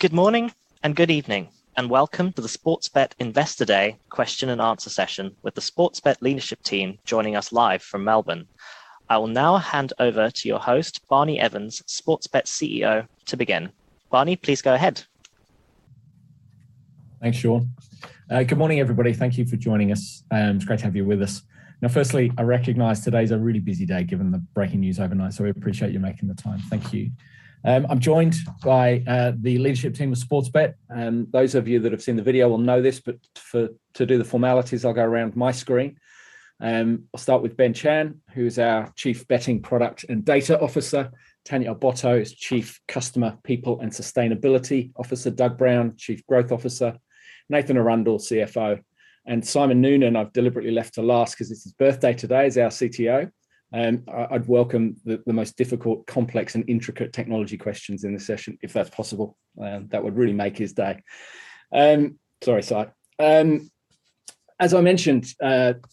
Good morning and good evening, and welcome to the Sportsbet Investor Day question-and-answer session with the Sportsbet leadership team joining us live from Melbourne. I will now hand over to your host, Barni Evans, Sportsbet's CEO, to begin. Barni, please go ahead. Thanks, Sean. Good morning, everybody. Thank you for joining us. It's great to have you with us. Firstly, I recognize today's a really busy day given the breaking news overnight. We appreciate you making the time. Thank you. I'm joined by the leadership team of Sportsbet. Those of you that have seen the video will know this. To do the formalities, I'll go around my screen. I'll start with Ben Chan, who's our Chief Betting Product and Data Officer. Tania Abbotto is Chief Customer, People and Sustainability Officer. Doug Brown, Chief Growth Officer. Nathan Arundell, CFO. Simon Noonan I've deliberately left to last because it's his birthday today. He's our CTO. I'd welcome the most difficult, complex, and intricate technology questions in the session if that's possible. That would really make his day. Sorry, Si. As I mentioned,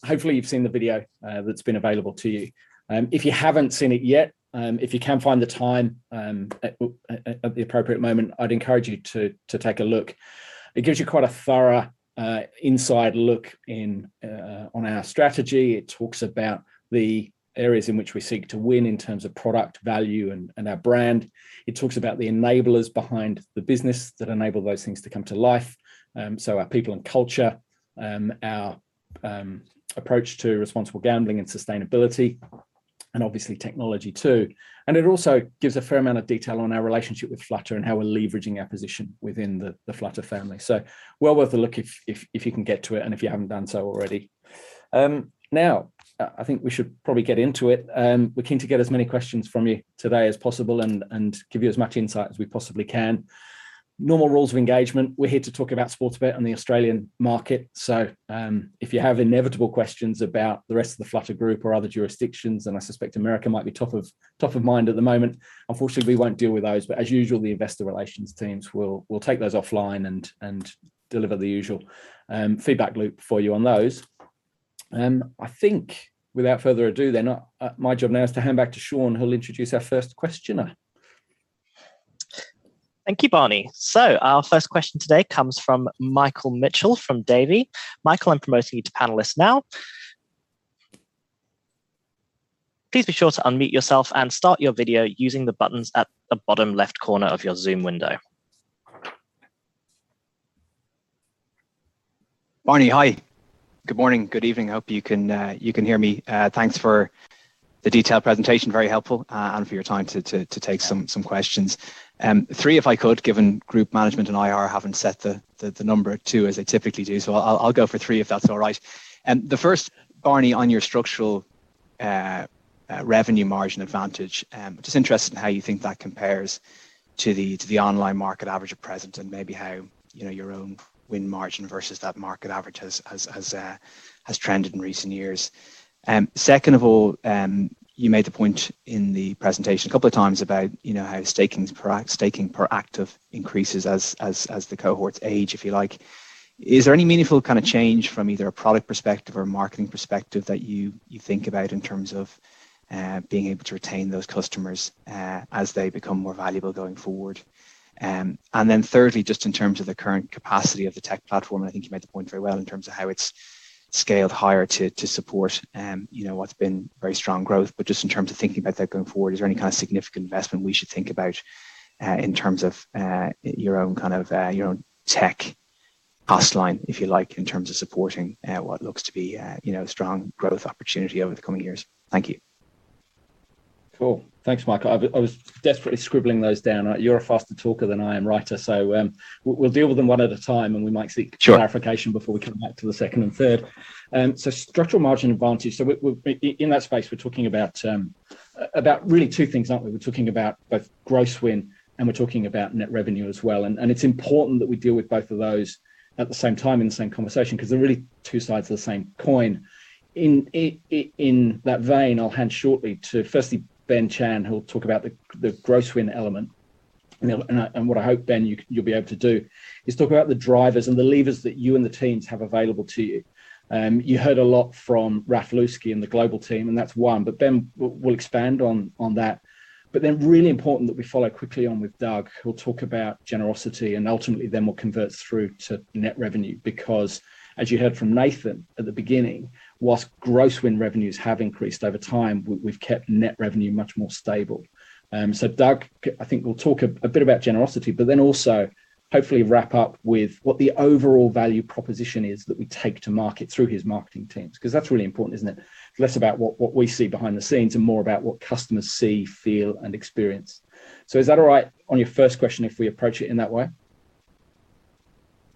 hopefully you've seen the video that's been available to you. If you haven't seen it yet, if you can find the time at the appropriate moment, I'd encourage you to take a look. It gives you quite a thorough inside look on our strategy. It talks about the areas in which we seek to win in terms of product value and our brand. It talks about the enablers behind the business that enable those things to come to life, so our people and culture, our approach to responsible gambling and sustainability, and obviously technology too. It also gives a fair amount of detail on our relationship with Flutter and how we're leveraging our position within the Flutter family. Well worth a look if you can get to it and if you haven't done so already. I think we should probably get into it. We're keen to get as many questions from you today as possible and give you as much insight as we possibly can. Normal rules of engagement. We're here to talk about Sportsbet and the Australian market, so if you have inevitable questions about the rest of the Flutter group or other jurisdictions, and I suspect America might be top of mind at the moment, unfortunately, we won't deal with those. As usual, the Investor Relations teams will take those offline and deliver the usual feedback loop for you on those. I think without further ado then, my job now is to hand back to Sean who'll introduce our first questioner. Thank you, Barni. Our first question today comes from Michael Mitchell from Davy. Michael, I'm promoting you to panelist now. Please be sure to unmute yourself and start your video using the buttons at the bottom left corner of your Zoom window. Barni, hi. Good morning. Good evening. Hope you can hear me. Thanks for the detailed presentation. Very helpful, and for your time to take some questions. Three if I could, given group management and IR haven't set the number at two as they typically do. I'll go for three if that's all right. The first, Barni, on your structural revenue margin advantage, just interested in how you think that compares to the online market average at present, and maybe how your own win margin versus that market average has trended in recent years. Second of all, you made the point in the presentation a couple of times about how staking per active increases as the cohorts age, if you like. Is there any meaningful kind of change from either a product perspective or a marketing perspective that you think about in terms of being able to retain those customers as they become more valuable going forward? Thirdly, just in terms of the current capacity of the tech platform, and I think you made the point very well in terms of how it's scaled higher to support what's been very strong growth. Just in terms of thinking about that going forward, is there any kind of significant investment we should think about in terms of your own tech cost line, if you like, in terms of supporting what looks to be a strong growth opportunity over the coming years? Thank you. Cool. Thanks, Michael. I was desperately scribbling those down. You're a faster talker than I am writer. We'll deal with them one at a time. Sure clarification before we come back to the second and third. Structural margin advantage. In that space, we're talking about really two things, aren't we? We're talking about both gross win and we're talking about net revenue as well, and it's important that we deal with both of those at the same time in the same conversation because they're really two sides of the same coin. In that vein, I'll hand shortly to firstly Ben Chan, who'll talk about the gross win element. What I hope, Ben, you'll be able to do is talk about the drivers and the levers that you and the teams have available to you. You heard a lot from Raf Lewicki and the global team, and that's one. Ben will expand on that. Really important that we follow quickly on with Doug, who'll talk about generosity, and ultimately then we'll convert through to net revenue. As you heard from Nathan at the beginning, whilst gross win revenues have increased over time, we've kept net revenue much more stable. Doug, I think, will talk a bit about generosity, but then also hopefully wrap up with what the overall value proposition is that we take to market through his marketing teams. That's really important, isn't it? Less about what we see behind the scenes and more about what customers see, feel, and experience. Is that all right on your first question if we approach it in that way?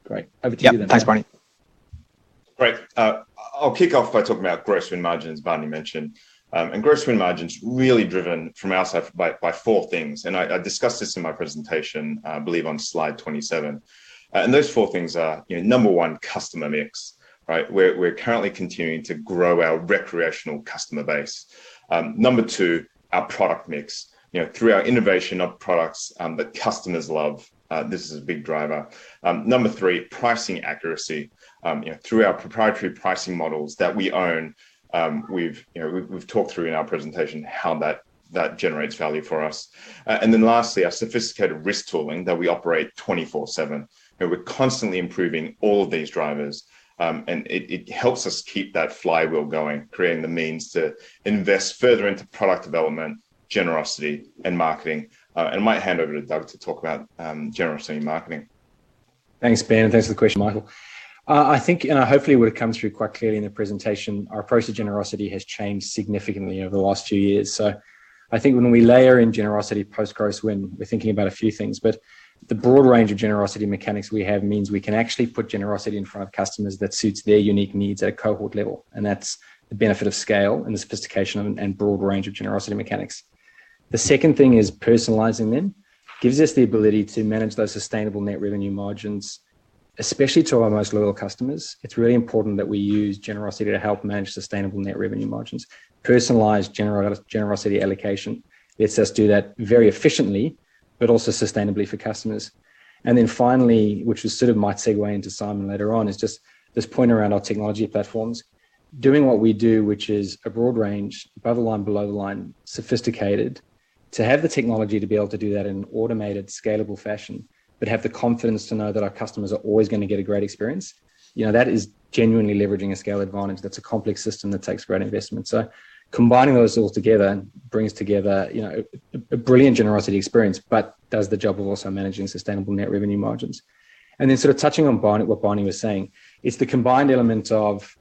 Great. Over to you then. Yep. Thanks, Barni. Great. I'll kick off by talking about gross win margin, as Barni mentioned. Gross win margin's really driven from our side by four things, and I discussed this in my presentation, I believe on slide 27. Those four things are, number one, customer mix. Right? We're currently continuing to grow our recreational customer base. Number two, our product mix. Through our innovation of products that customers love, this is a big driver. Number three, pricing accuracy. Through our proprietary pricing models that we own. We've talked through in our presentation how that generates value for us. Lastly, our sophisticated risk tooling that we operate 24/7. We're constantly improving all of these drivers, and it helps us keep that flywheel going, creating the means to invest further into product development, generosity, and marketing. I might hand over to Doug to talk about generosity and marketing. Thanks, Ben, and thanks for the question, Michael. I think, and hopefully it would've come through quite clearly in the presentation, our approach to generosity has changed significantly over the last few years. I think when we layer in generosity post-gross-win, we're thinking about a few things. The broad range of generosity mechanics we have means we can actually put generosity in front of customers that suits their unique needs at a cohort level, and that's the benefit of scale and the sophistication and broad range of generosity mechanics. The second thing is personalizing them gives us the ability to manage those sustainable net revenue margins, especially to our most loyal customers. It's really important that we use generosity to help manage sustainable net revenue margins. Personalized generosity allocation lets us do that very efficiently, but also sustainably for customers. Finally, which was sort of my segue into Simon later on, is just this point around our technology platforms. Doing what we do, which is a broad range, above the line, below the line, sophisticated, to have the technology to be able to do that in an automated, scalable fashion, but have the confidence to know that our customers are always going to get a great experience. That is genuinely leveraging a scale advantage. That's a complex system that takes great investment. Combining those all together brings together a brilliant generosity experience, but does the job of also managing sustainable net revenue margins. Sort of touching on what Barni was saying, it's the combined element of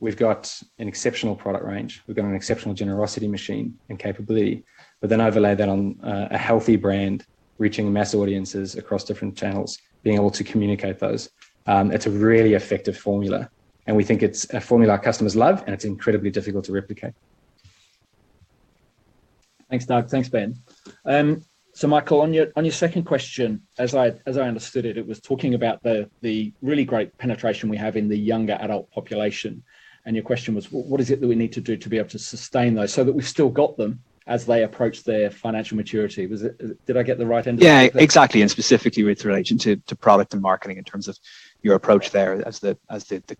we've got an exceptional product range, we've got an exceptional generosity machine and capability, but then overlay that on a healthy brand, reaching mass audiences across different channels, being able to communicate those. It's a really effective formula, and we think it's a formula our customers love, and it's incredibly difficult to replicate. Thanks, Doug. Thanks, Ben. Michael, on your second question, as I understood it was talking about the really great penetration we have in the younger adult population, and your question was, what is it that we need to do to be able to sustain those so that we've still got them as they approach their financial maturity? Did I get the right end of? Yeah, exactly. Specifically wit relation to product and marketing in terms of your approach there as the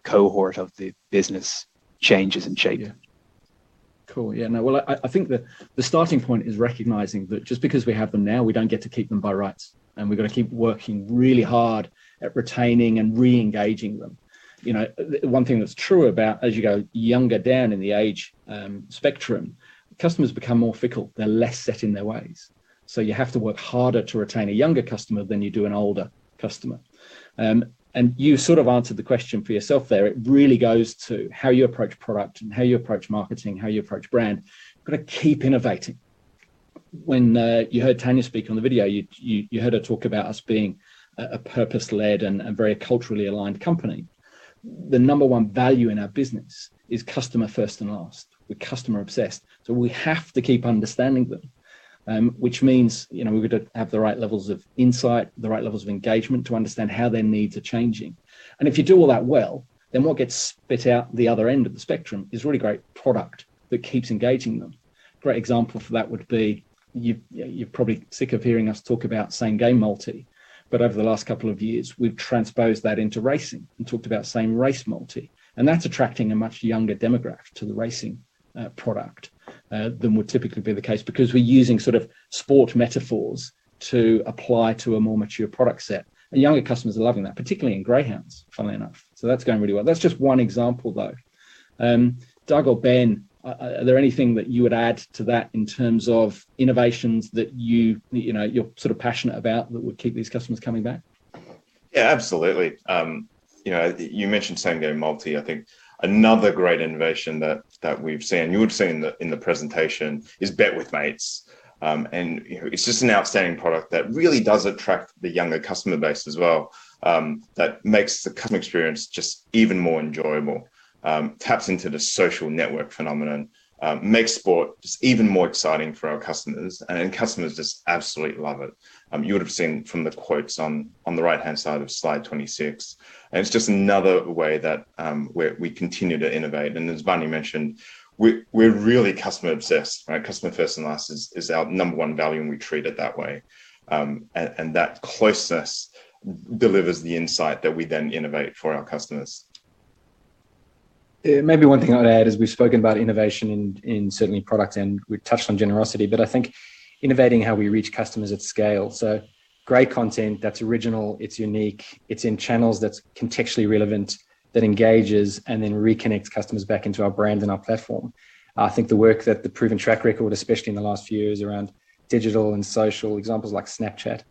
cohort of the business changes in shape. Yeah. Cool. Yeah, no. Well, I think the starting point is recognizing that just because we have them now, we don't get to keep them by rights, and we've got to keep working really hard at retaining and reengaging them. One thing that's true about as you go younger down in the age spectrum, customers become more fickle. They're less set in their ways. You have to work harder to retain a younger customer than you do an older customer. You sort of answered the question for yourself there. It really goes to how you approach product and how you approach marketing, how you approach brand. We've got to keep innovating. When you heard Tania speak on the video, you heard her talk about us being a purpose-led and very culturally aligned company. The number one value in our business is customer first and last. We're customer obsessed, so we have to keep understanding them, which means we've got to have the right levels of insight, the right levels of engagement to understand how their needs are changing. If you do all that well, then what gets spit out the other end of the spectrum is really great product that keeps engaging them. Great example for that would be, you're probably sick of hearing us talk about Same Game Multi, but over the last couple of years, we've transposed that into racing and talked about Same Race Multi, and that's attracting a much younger demographic to the racing product than would typically be the case because we're using sort of sport metaphors to apply to a more mature product set. Younger customers are loving that, particularly in greyhounds, funnily enough. That's going really well. That's just one example, though. Doug or Ben, are there anything that you would add to that in terms of innovations that you're sort of passionate about that would keep these customers coming back? Yeah, absolutely. You mentioned Same Game Multi. I think another great innovation that we've seen, you would've seen in the presentation, is Bet With Mates. It's just an outstanding product that really does attract the younger customer base as well, that makes the customer experience just even more enjoyable. Taps into the social network phenomenon. Makes sport just even more exciting for our customers, and customers just absolutely love it. You would've seen from the quotes on the right-hand side of slide 26, it's just another way that we continue to innovate. As Barni mentioned, we're really customer obsessed, right? Customer first and last is our number one value, and we treat it that way. That closeness delivers the insight that we then innovate for our customers. Maybe one thing I'd add is we've spoken about innovation in certainly products, and we've touched on generosity, but I think innovating how we reach customers at scale. Great content that's original, it's unique, it's in channels that's contextually relevant, that engages and then reconnects customers back into our brand and our platform. I think the work that the proven track record, especially in the last few years around digital and social, examples like Snapchat,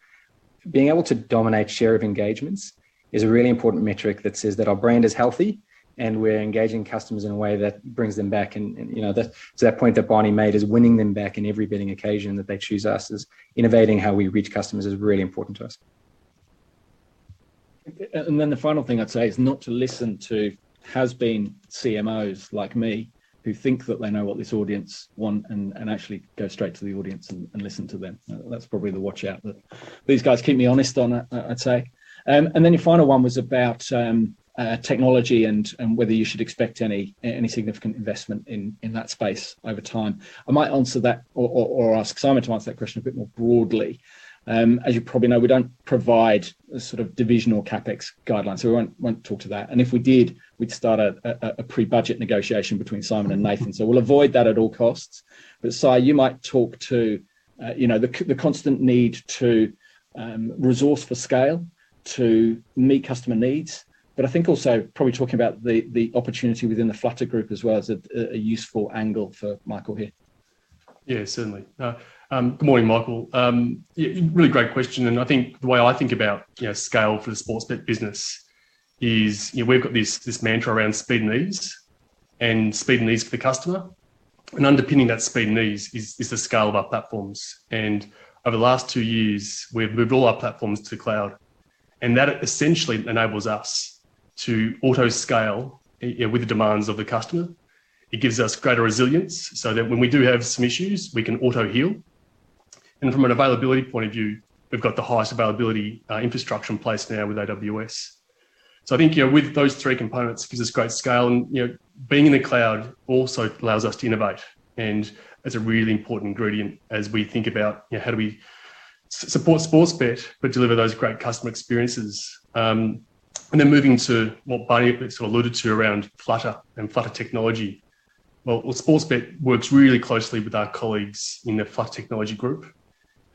being able to dominate share of engagements is a really important metric that says that our brand is healthy and we're engaging customers in a way that brings them back. To that point that Barni made, is winning them back in every betting occasion that they choose us, is innovating how we reach customers is really important to us. The final thing I'd say is not to listen to has-been CMOs like me who think that they know what this audience want, and actually go straight to the audience and listen to them. That's probably the watch-out that these guys keep me honest on, I'd say. Your final one was about technology and whether you should expect any significant investment in that space over time. I might answer that or ask Simon to answer that question a bit more broadly. As you probably know, we don't provide a sort of divisional CapEx guidelines. We won't talk to that. If we did, we'd start a pre-budget negotiation between Simon and Nathan. We'll avoid that at all costs. Si, you might talk to the constant need to resource for scale to meet customer needs, but I think also probably talking about the opportunity within the Flutter group as well is a useful angle for Michael here. Good morning, Michael. Really great question. I think the way I think about scale for the Sportsbet business is we've got this mantra around speed and ease, and speed and ease for the customer. Underpinning that speed and ease is the scale of our platforms. Over the last two years, we've moved all our platforms to cloud, and that essentially enables us to auto-scale with the demands of the customer. It gives us greater resilience so that when we do have some issues, we can auto-heal. From an availability point of view, we've got the highest availability infrastructure in place now with AWS. I think, with those three components gives us great scale and being in the cloud also allows us to innovate, and that's a really important ingredient as we think about how do we support Sportsbet but deliver those great customer experiences. Moving to what Barni sort of alluded to around Flutter and Flutter technology. Sportsbet works really closely with our colleagues in the Flutter technology group,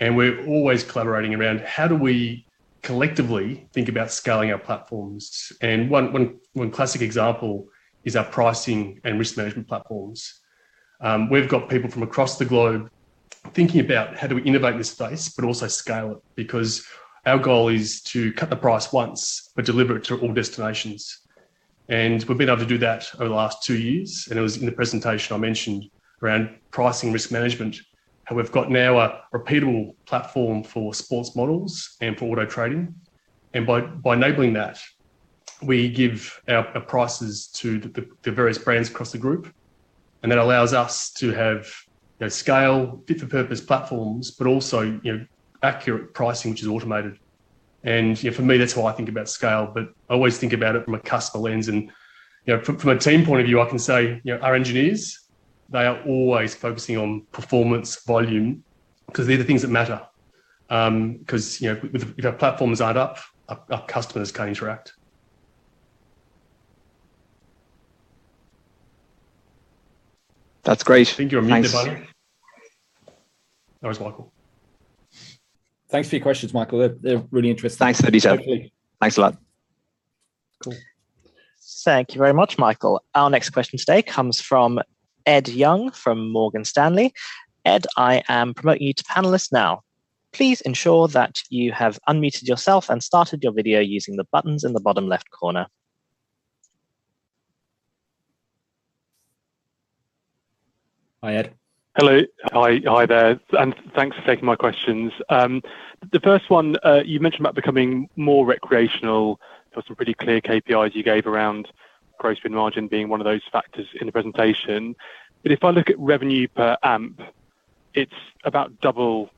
and we're always collaborating around how do we collectively think about scaling our platforms. One classic example is our pricing and risk management platforms. We've got people from across the globe thinking about how do we innovate this space but also scale it because our goal is to cut the price once but deliver it to all destinations. We've been able to do that over the last two years, and it was in the presentation I mentioned around pricing risk management, how we've got now a repeatable platform for sports models and for auto trading. By enabling that, we give our prices to the various brands across the group, and that allows us to have scale fit for purpose platforms, but also accurate pricing, which is automated. For me, that's how I think about scale, but I always think about it from a customer lens. From a team point of view, I can say our engineers, they are always focusing on performance volume because they're the things that matter. Because if our platforms aren't up, our customers can't interact. That's great. I think you're on mute now. There is Michael. Thanks for your questions, Michael. They're really interesting. Thanks for the detail. Thanks a lot. Cool. Thank you very much, Michael. Our next question today comes from Ed Young from Morgan Stanley. Ed, I am promoting you to panelist now. Please ensure that you have unmuted yourself and started your video using the buttons in the bottom left corner. Hi, Ed. Hello. Hi there, thanks for taking my questions. The first one, you mentioned about becoming more recreational. There were some pretty clear KPIs you gave around gross win margin being one of those factors in the presentation. If I look at revenue per AMP, it's about double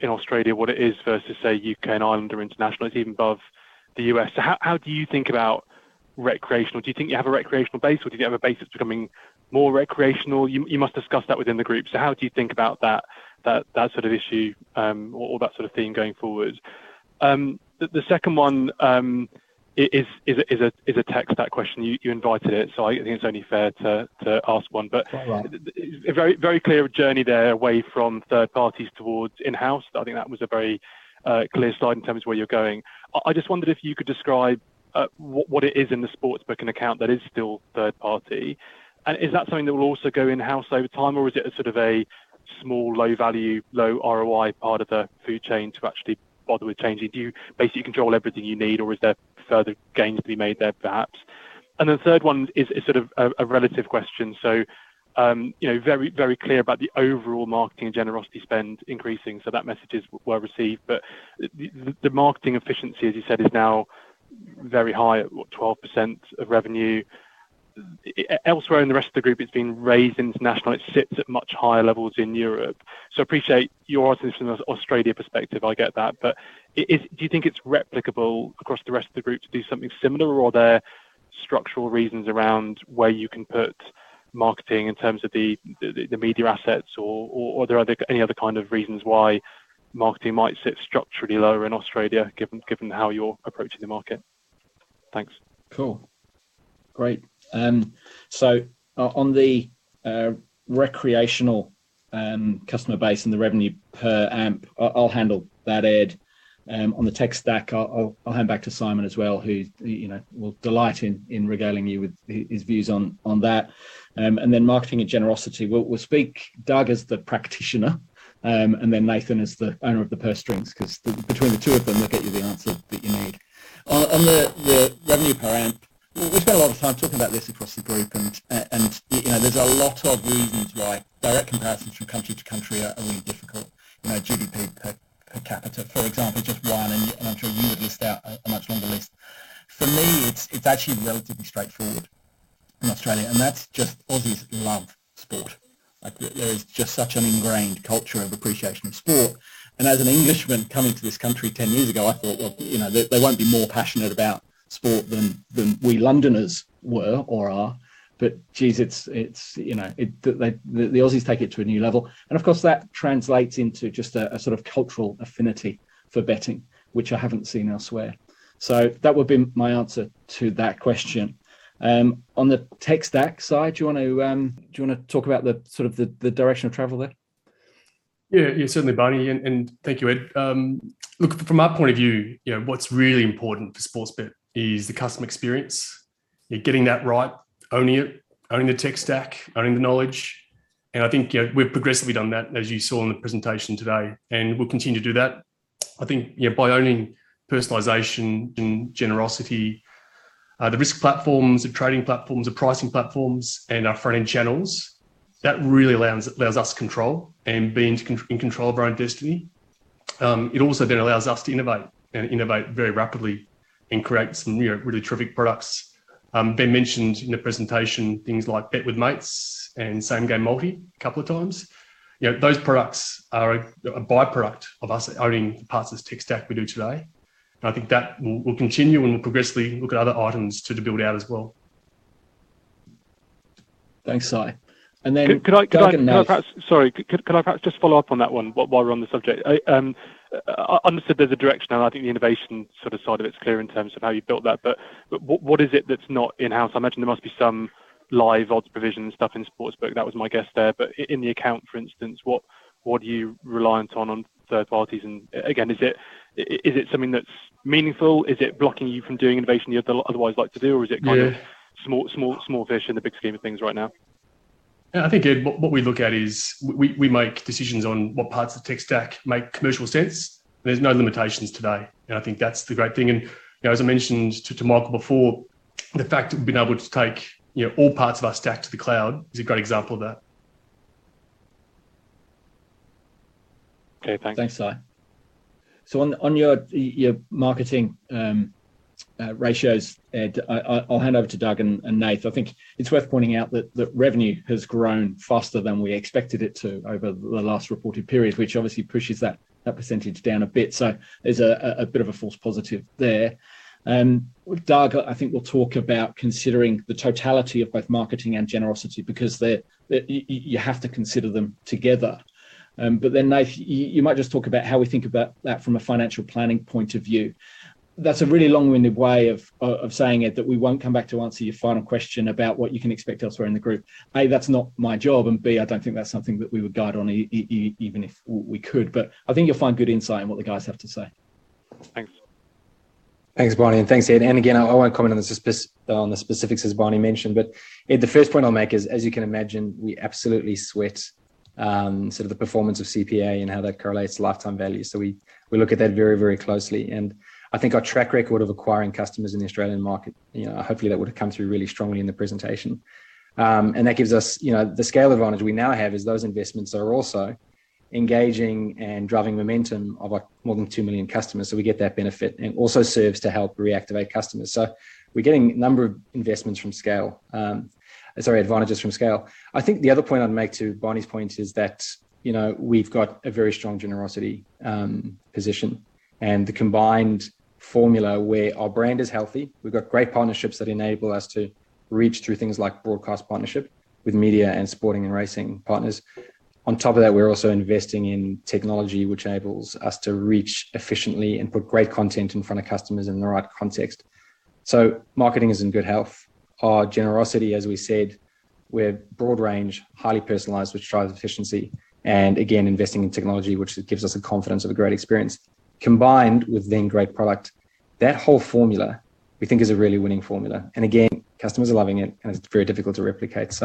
in Australia what it is versus, say, U.K. and Ireland or international. It's even above the U.S. How do you think about recreational? Do you think you have a recreational base, or do you have a base that's becoming more recreational? You must discuss that within the group. How do you think about that sort of issue, or that sort of theme going forward? The second one is a tech stack question. You invited it, I think it's only fair to ask one. Right. A very clear journey there away from third parties towards in-house. I think that was a very clear slide in terms of where you're going. I just wondered if you could describe what it is in the sportsbook and account that is still third party, and is that something that will also go in-house over time, or is it a sort of a small, low value, low ROI part of the food chain to actually bother with changing? Do you basically control everything you need, or is there further gains to be made there perhaps? The third one is sort of a relative question. Very clear about the overall marketing generosity spend increasing. That message is well received. The marketing efficiency, as you said, is now very high at what, 12% of revenue. Elsewhere in the rest of the group, it's been raised internationally. It sits at much higher levels in Europe. Appreciate your answer from an Australia perspective, I get that. Do you think it's replicable across the rest of the group to do something similar, or are there structural reasons around where you can put marketing in terms of the media assets, or are there any other kind of reasons why marketing might sit structurally lower in Australia given how you're approaching the market? Thanks. Cool. Great. On the recreational customer base and the revenue per AMP, I'll handle that, Ed. On the tech stack, I'll hand back to Simon as well, who will delight in regaling you with his views on that. Marketing and generosity, we'll speak, Doug as the practitioner, then Nathan as the owner of the purse strings, because between the two of them, they'll get you the answer that you need. On the revenue per AMP, we've spent a lot of time talking about this across the group, and there's a lot of reasons why direct comparisons from country to country are really difficult. GDP per capita, for example, just one, and I'm sure you would list out a much longer list. For me, it's actually relatively straightforward in Australia, and that's just Aussies love sport. There is just such an ingrained culture of appreciation of sport. As an Englishman coming to this country 10 years ago, I thought, well, they won't be more passionate about sport than we Londoners were or are. Geez, the Aussies take it to a new level. Of course, that translates into just a sort of cultural affinity for betting, which I haven't seen elsewhere. That would be my answer to that question. On the tech stack side, do you want to talk about the sort of the direction of travel there? Yeah. Certainly, Barni, and thank you, Ed. Look, from our point of view, what's really important for Sportsbet is the customer experience. You're getting that right, owning it, owning the tech stack, owning the knowledge. I think we've progressively done that, as you saw in the presentation today, and we'll continue to do that. I think by owning personalization and generosity, the risk platforms, the trading platforms, the pricing platforms, and our front-end channels, that really allows us control and being in control of our own destiny. It also then allows us to innovate, and innovate very rapidly and create some really terrific products. Ben mentioned in the presentation things like Bet With Mates and Same Game Multi a couple of times. Those products are a by-product of us owning parts of the tech stack we do today. I think that will continue, and we'll progressively look at other items to the build-out as well. Thanks, Si. Could I- Doug and Nath. Sorry. Could I perhaps just follow up on that one while we're on the subject? I understood there's a direction now, I think the innovation side of it's clear in terms of how you've built that, but what is it that's not in-house? I imagine there must be some live odds provision stuff in Sportsbet. That was my guess there. In the account, for instance, what are you reliant on third parties? Again, is it something that's meaningful? Is it blocking you from doing innovation you'd otherwise like to do? Yeah Small fish in the big scheme of things right now? I think, Ed, what we look at is, we make decisions on what parts of the tech stack make commercial sense. There's no limitations today, and I think that's the great thing. As I mentioned to Michael before, the fact that we've been able to take all parts of our stack to the cloud is a great example of that. Okay. Thanks. Thanks, Si. On your marketing ratios, Ed, I'll hand over to Doug and Nath. I think it's worth pointing out that revenue has grown faster than we expected it to over the last reported period, which obviously pushes that percentage down a bit. There's a bit of a false positive there. Doug, I think, will talk about considering the totality of both marketing and generosity, because you have to consider them together. Nath, you might just talk about how we think about that from a financial planning point of view. That's a really long-winded way of saying it, that we won't come back to answer your final question about what you can expect elsewhere in the group. A, that's not my job, and B, I don't think that's something that we would guide on even if we could. I think you'll find good insight in what the guys have to say. Thanks. Thanks, Barni. Thanks, Ed. Again, I won't comment on the specifics as Barni mentioned. Ed, the first point I'll make is, as you can imagine, we absolutely sweat sort of the performance of CPA and how that correlates to lifetime value. We look at that very closely. I think our track record of acquiring customers in the Australian market, hopefully that would have come through really strongly in the presentation. That gives us the scale advantage we now have is those investments are also engaging and driving momentum of more than 2 million customers. We get that benefit. It also serves to help reactivate customers. We're getting a number of advantages from scale. I think the other point I'd make to Barni's point is that we've got a very strong generosity position. The combined formula where our brand is healthy, we've got great partnerships that enable us to reach through things like broadcast partnership with media and sporting and racing partners. On top of that, we're also investing in technology which enables us to reach efficiently and put great content in front of customers in the right context. Marketing is in good health. Our generosity, as we said, we're broad range, highly personalized, which drives efficiency. Again, investing in technology, which gives us the confidence of a great experience, combined with then great product. That whole formula we think is a really winning formula. Again, customers are loving it, and it's very difficult to replicate.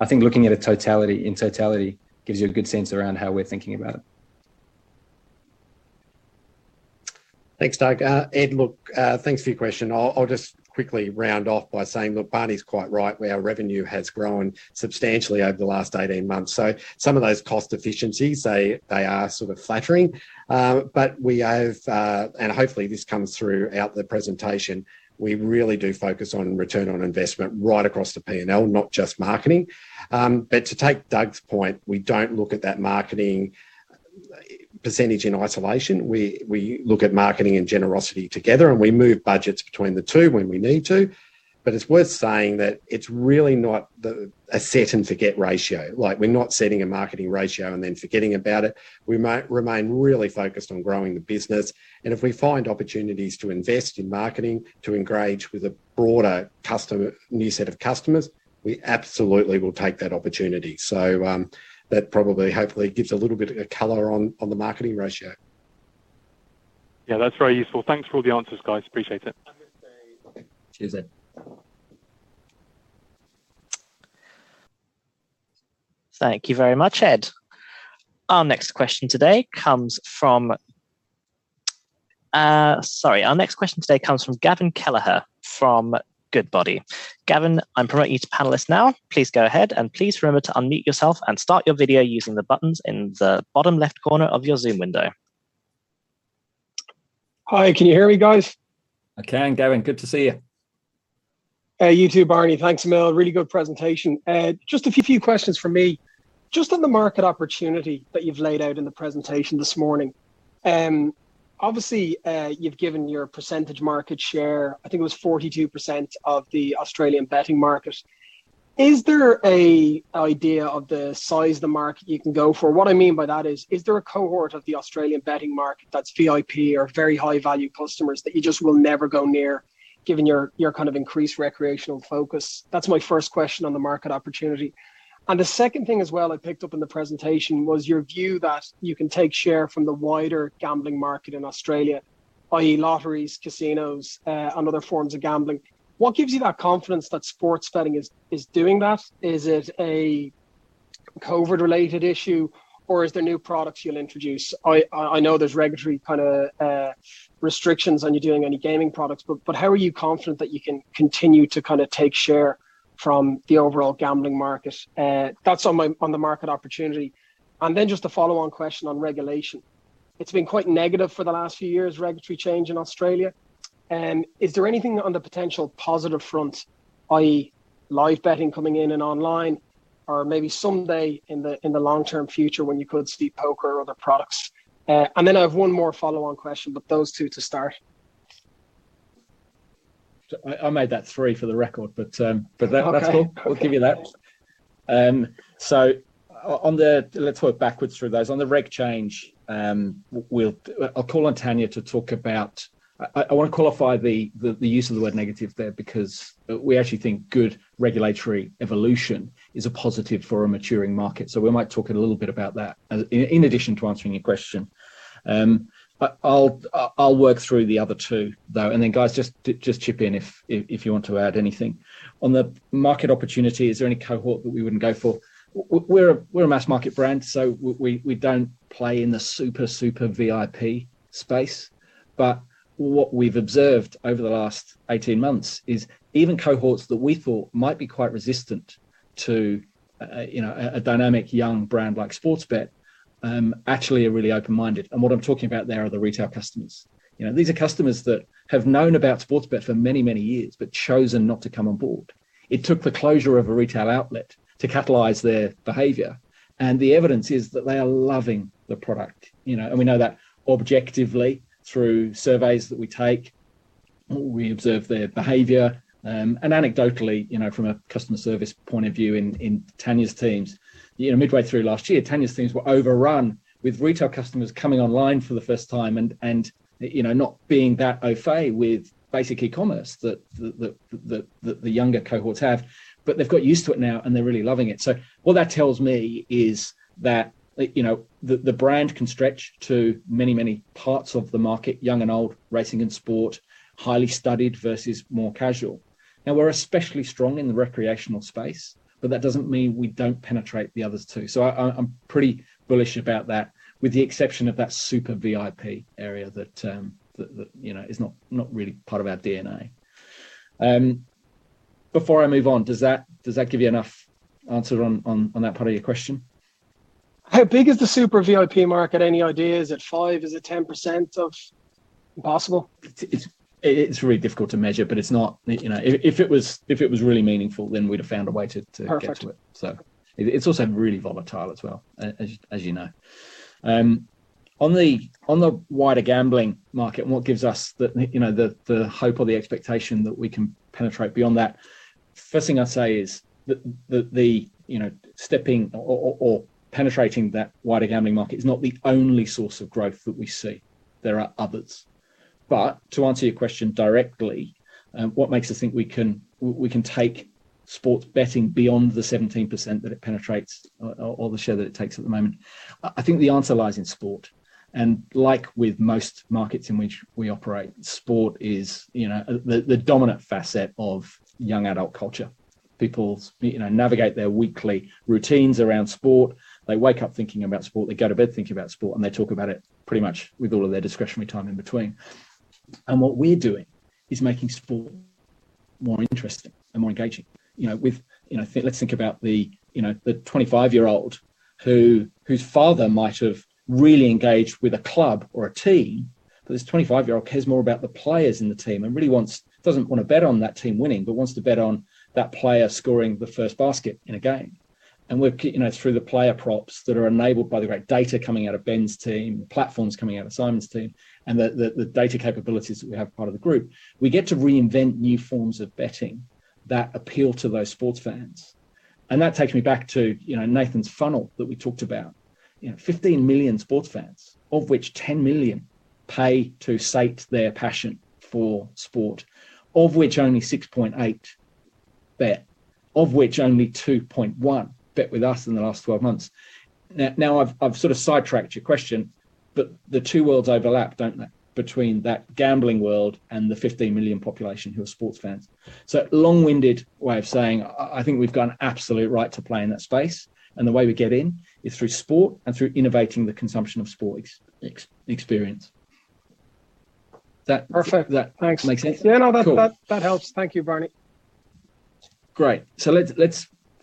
I think looking at it in totality gives you a good sense around how we're thinking about it. Thanks, Doug. Ed, look, thanks for your question. I'll just quickly round off by saying, look, Barni's quite right. Our revenue has grown substantially over the last 18 months. Some of those cost efficiencies, they are sort of flattering. We have, and hopefully this comes throughout the presentation, we really do focus on return on investment right across the P&L, not just marketing. To take Doug's point, we don't look at that marketing percentage in isolation. We look at marketing and generosity together, and we move budgets between the two when we need to. It's worth saying that it's really not a set-and-forget ratio. We're not setting a marketing ratio and then forgetting about it. We remain really focused on growing the business. If we find opportunities to invest in marketing, to engage with a broader new set of customers, we absolutely will take that opportunity. That probably, hopefully, gives a little bit of color on the marketing ratio. Yeah, that's very useful. Thanks for all the answers, guys. Appreciate it. Cheers, Ed. Thank you very much, Ed. Our next question today comes from Gavin Kelleher from Goodbody. Gavin, I'll promote you to panelist now. Please go ahead and please remember to unmute yourself and start your video using the buttons in the bottom left corner of your Zoom window. Hi, can you hear me, guys? I can, Gavin. Good to see you. You too, Barni. Thanks a mill. Really good presentation. Just a few questions from me. On the market opportunity that you've laid out in the presentation this morning. Obviously, you've given your percentage market share, I think it was 42% of the Australian betting market. Is there an idea of the size of the market you can go for? What I mean by that is there a cohort of the Australian betting market that's VIP or very high-value customers that you just will never go near given your kind of increased recreational focus? That's my first question on the market opportunity. The second thing as well I picked up in the presentation was your view that you can take share from the wider gambling market in Australia, i.e., lotteries, casinos, and other forms of gambling. What gives you that confidence that sports betting is doing that? Is it a COVID-related issue, or is there new products you'll introduce? I know there's regulatory kind of restrictions on you doing any gaming products, but how are you confident that you can continue to take share from the overall gambling market? That's on the market opportunity. Just a follow-on question on regulation. It's been quite negative for the last few years, regulatory change in Australia. Is there anything on the potential positive front, i.e. live betting coming in and online or maybe someday in the long-term future when you could see poker or other products? I have one more follow-on question, but those two to start. I made that three for the record. Okay That's cool. I'll give you that. Let's work backwards through those. On the reg change, I'll call on Tania to talk about. I want to qualify the use of the word negative there because we actually think good regulatory evolution is a positive for a maturing market. We might talk a little bit about that in addition to answering your question. I'll work through the other two, though, and then guys just chip in if you want to add anything. On the market opportunity, is there any cohort that we wouldn't go for? We're a mass market brand, so we don't play in the super VIP space. What we've observed over the last 18 months is even cohorts that we thought might be quite resistant to a dynamic young brand like Sportsbet, actually are really open-minded. What I'm talking about there are the retail customers. These are customers that have known about Sportsbet for many, many years but chosen not to come on board. It took the closure of a retail outlet to catalyze their behavior, and the evidence is that they are loving the product. We know that objectively through surveys that we take, we observe their behavior. Anecdotally from a customer service point of view in Tania's teams. Midway through last year, Tania's teams were overrun with retail customers coming online for the first time and not being that au fait with basic e-commerce that the younger cohorts have. They've got used to it now, and they're really loving it. What that tells me is that the brand can stretch to many, many parts of the market, young and old, racing and sport, highly studied versus more casual. We're especially strong in the recreational space, but that doesn't mean we don't penetrate the others, too. I'm pretty bullish about that with the exception of that super VIP area that is not really part of our DNA. Before I move on, does that give you enough answer on that part of your question? How big is the super VIP market? Any idea? Is it 5%? Is it 10% of possible? It's really difficult to measure. If it was really meaningful, then we'd have found a way. Perfect Get to it. It's also really volatile as well, as you know. What gives us the hope or the expectation that we can penetrate beyond that, first thing I'd say is that stepping or penetrating that wider gambling market is not the only source of growth that we see. There are others. To answer your question directly, what makes us think we can take sports betting beyond the 17% that it penetrates or the share that it takes at the moment? I think the answer lies in sport, and like with most markets in which we operate, sport is the dominant facet of young adult culture. People navigate their weekly routines around sport. They wake up thinking about sport, they go to bed thinking about sport, and they talk about it pretty much with all of their discretionary time in between. What we're doing is making sport more interesting and more engaging. Let's think about the 25-year-old whose father might have really engaged with a club or a team, but this 25-year-old cares more about the players in the team and doesn't want to bet on that team winning, but wants to bet on that player scoring the first basket in a game. Through the player props that are enabled by the great data coming out of Ben's team, the platforms coming out of Simon's team, and the data capabilities that we have part of the group, we get to reinvent new forms of betting that appeal to those sports fans. That takes me back to Nathan's funnel that we talked about. 15 million sports fans, of which 10 million pay to sate their passion for sport. Of which only 6.8 bet, of which only 2.1 bet with us in the last 12 months. I've sort of sidetracked your question, but the two worlds overlap, don't they, between that gambling world and the 15 million population who are sports fans. Long-winded way of saying I think we've got an absolute right to play in that space, and the way we get in is through sport and through innovating the consumption of sport experience. Perfect. Thanks Make sense? Yeah. Cool that helps. Thank you, Barni. Great.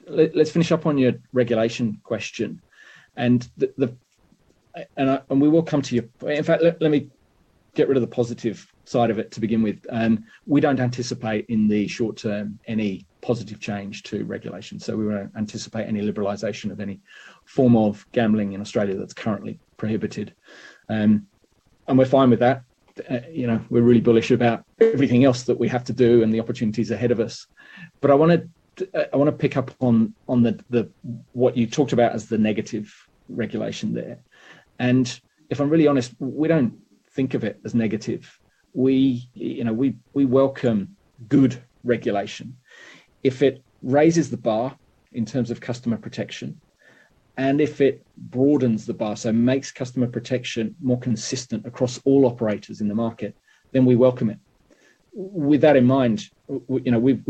Let's finish up on your regulation question. We will come to you. In fact, let me get rid of the positive side of it to begin with. We don't anticipate in the short term any positive change to regulation. We won't anticipate any liberalization of any form of gambling in Australia that's currently prohibited. We're fine with that. We're really bullish about everything else that we have to do and the opportunities ahead of us. I want to pick up on what you talked about as the negative regulation there. If I'm really honest, we don't think of it as negative. We welcome good regulation. If it raises the bar in terms of customer protection, and if it broadens the bar, so makes customer protection more consistent across all operators in the market, then we welcome it. With that in mind, we've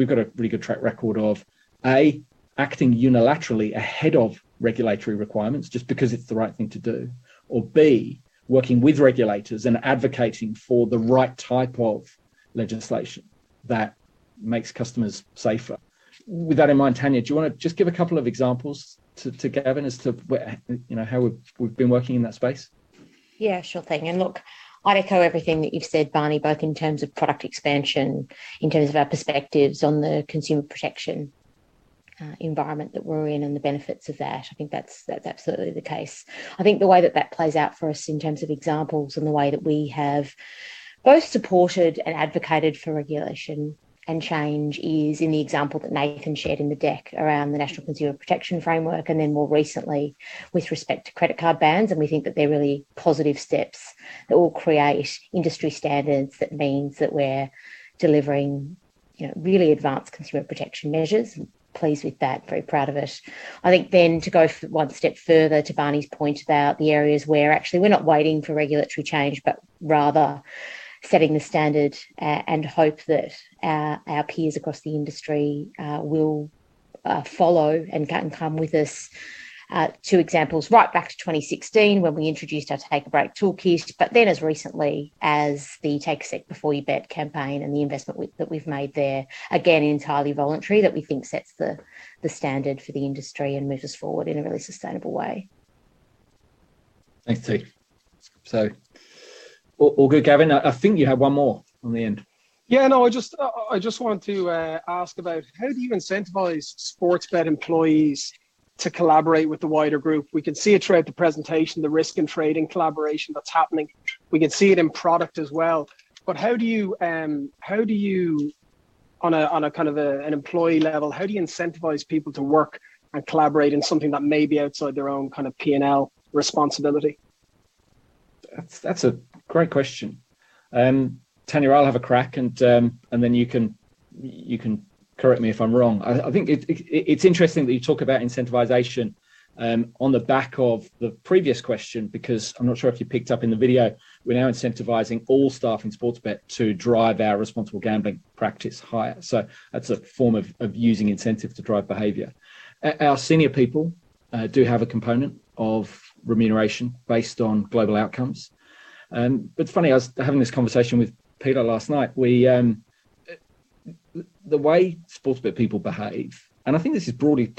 got a really good track record of, A, acting unilaterally ahead of regulatory requirements just because it's the right thing to do, or B, working with regulators and advocating for the right type of legislation that makes customers safer. With that in mind, Tania, do you want to just give a couple of examples to Gavin as to how we've been working in that space? Yeah, sure thing. Look, I'd echo everything that you've said, Barni, both in terms of product expansion, in terms of our perspectives on the consumer protection environment that we're in and the benefits of that. I think that's absolutely the case. I think the way that that plays out for us in terms of examples and the way that we have both supported and advocated for regulation and change is in the example that Nathan Arundell shared in the deck around the National Consumer Protection Framework. Then more recently with respect to credit card bans, we think that they're really positive steps that will create industry standards that means that we're delivering really advanced consumer protection measures. Pleased with that, very proud of it. I think to go one step further to Barni's point about the areas where actually we're not waiting for regulatory change, but rather setting the standard and hope that our peers across the industry will follow and come with us. Two examples. Right back to 2016, when we introduced our Take a Break toolkit, as recently as the Take a Sec Before You Bet campaign and the investment that we've made there, again, entirely voluntary, that we think sets the standard for the industry and moves us forward in a really sustainable way. Thanks, T. All good, Gavin. I think you had one more on the end. Yeah, no, I just wanted to ask about how do you incentivize Sportsbet employees to collaborate with the wider group? We can see it throughout the presentation, the risk and trade and collaboration that's happening. We can see it in product as well. On a kind of an employee level, how do you incentivize people to work and collaborate in something that may be outside their own kind of P&L responsibility? That's a great question. Tania, I'll have a crack and then you can correct me if I'm wrong. I think it's interesting that you talk about incentivization on the back of the previous question, because I'm not sure if you picked up in the video, we're now incentivizing all staff in Sportsbet to drive our responsible gambling practice higher. That's a form of using incentive to drive behavior. Our senior people do have a component of remuneration based on global outcomes. It's funny, I was having this conversation with Peter last night. The way Sportsbet people behave, and I think this is true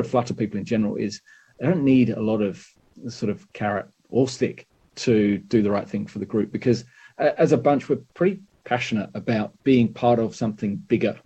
of Flutter people in general, is they don't need a lot of carrot or stick to do the right thing for the group, because as a bunch, we're pretty passionate about being part of something bigger.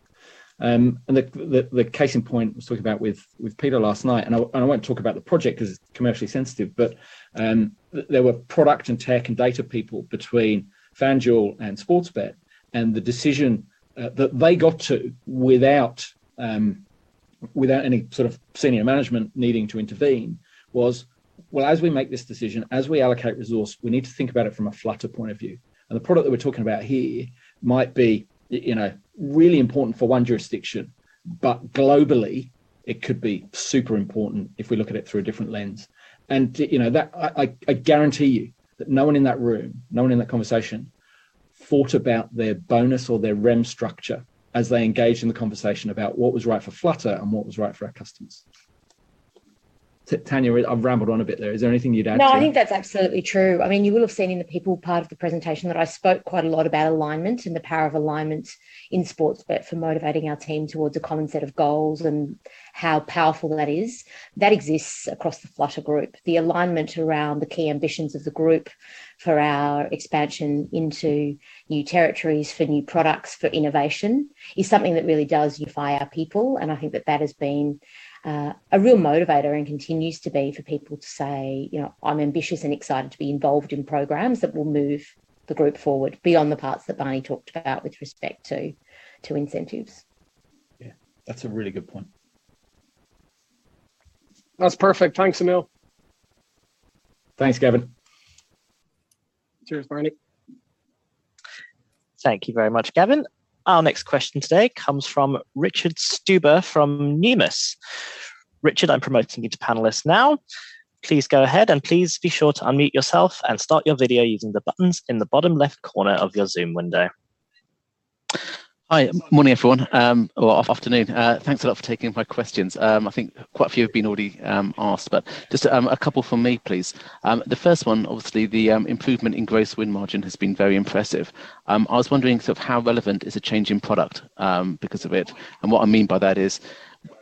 The case in point I was talking about with Peter last night, I won't talk about the project because it's commercially sensitive, but there were product and tech and data people between FanDuel and Sportsbet, the decision that they got to without any sort of senior management needing to intervene was, well, as we make this decision, as we allocate resource, we need to think about it from a Flutter point of view. The product that we're talking about here might be really important for one jurisdiction, but globally, it could be super important if we look at it through a different lens. I guarantee you that no one in that room, no one in that conversation, thought about their bonus or their rem structure as they engaged in the conversation about what was right for Flutter and what was right for our customers. Tania, I've rambled on a bit there. Is there anything you'd add to? No, I think that's absolutely true. You will have seen in the people part of the presentation that I spoke quite a lot about alignment and the power of alignment in Sportsbet for motivating our team towards a common set of goals and how powerful that is. That exists across the Flutter group. The alignment around the key ambitions of the group for our expansion into new territories, for new products, for innovation, is something that really does unify our people, and I think that that has been a real motivator and continues to be for people to say, I'm ambitious and excited to be involved in programs that will move the group forward, beyond the parts that Barni talked about with respect to incentives. Yeah, that's a really good point. That's perfect. Thanks a mil. Thanks, Gavin. Cheers, Barni. Thank you very much, Gavin. Our next question today comes from Richard Stuber from Numis. Richard, I'm promoting you to panelist now. Please go ahead and please be sure to unmute yourself and start your video using the buttons in the bottom left corner of your Zoom window. Hi. Morning, everyone, or afternoon. Thanks a lot for taking my questions. Quite a few have been already asked, just a couple from me, please. The first one, obviously, the improvement in gross win margin has been very impressive. I was wondering sort of how relevant is a change in product because of it? What I mean by that is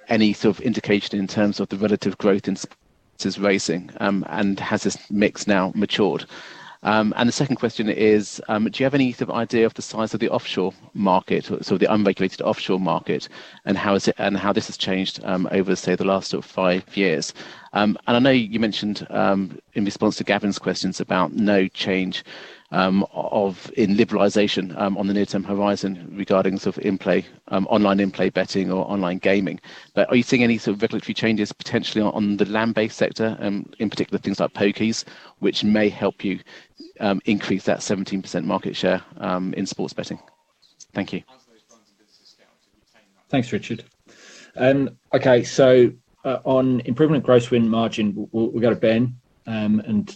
any sort of indication in terms of the relative growth in sports versus racing, and has this mix now matured? The second question is, do you have any sort of idea of the size of the offshore market, sort of the unregulated offshore market, and how this has changed over, say, the last sort of five years? I know you mentioned in response to Gavin's questions about no change in liberalization on the near-term horizon regarding sort of online in-play betting or online gaming. Are you seeing any sort of regulatory changes potentially on the land-based sector, in particular things like pokies, which may help you increase that 17% market share in sports betting? Thank you. Thanks, Richard. On improvement gross win margin, we'll go to Ben. Ben,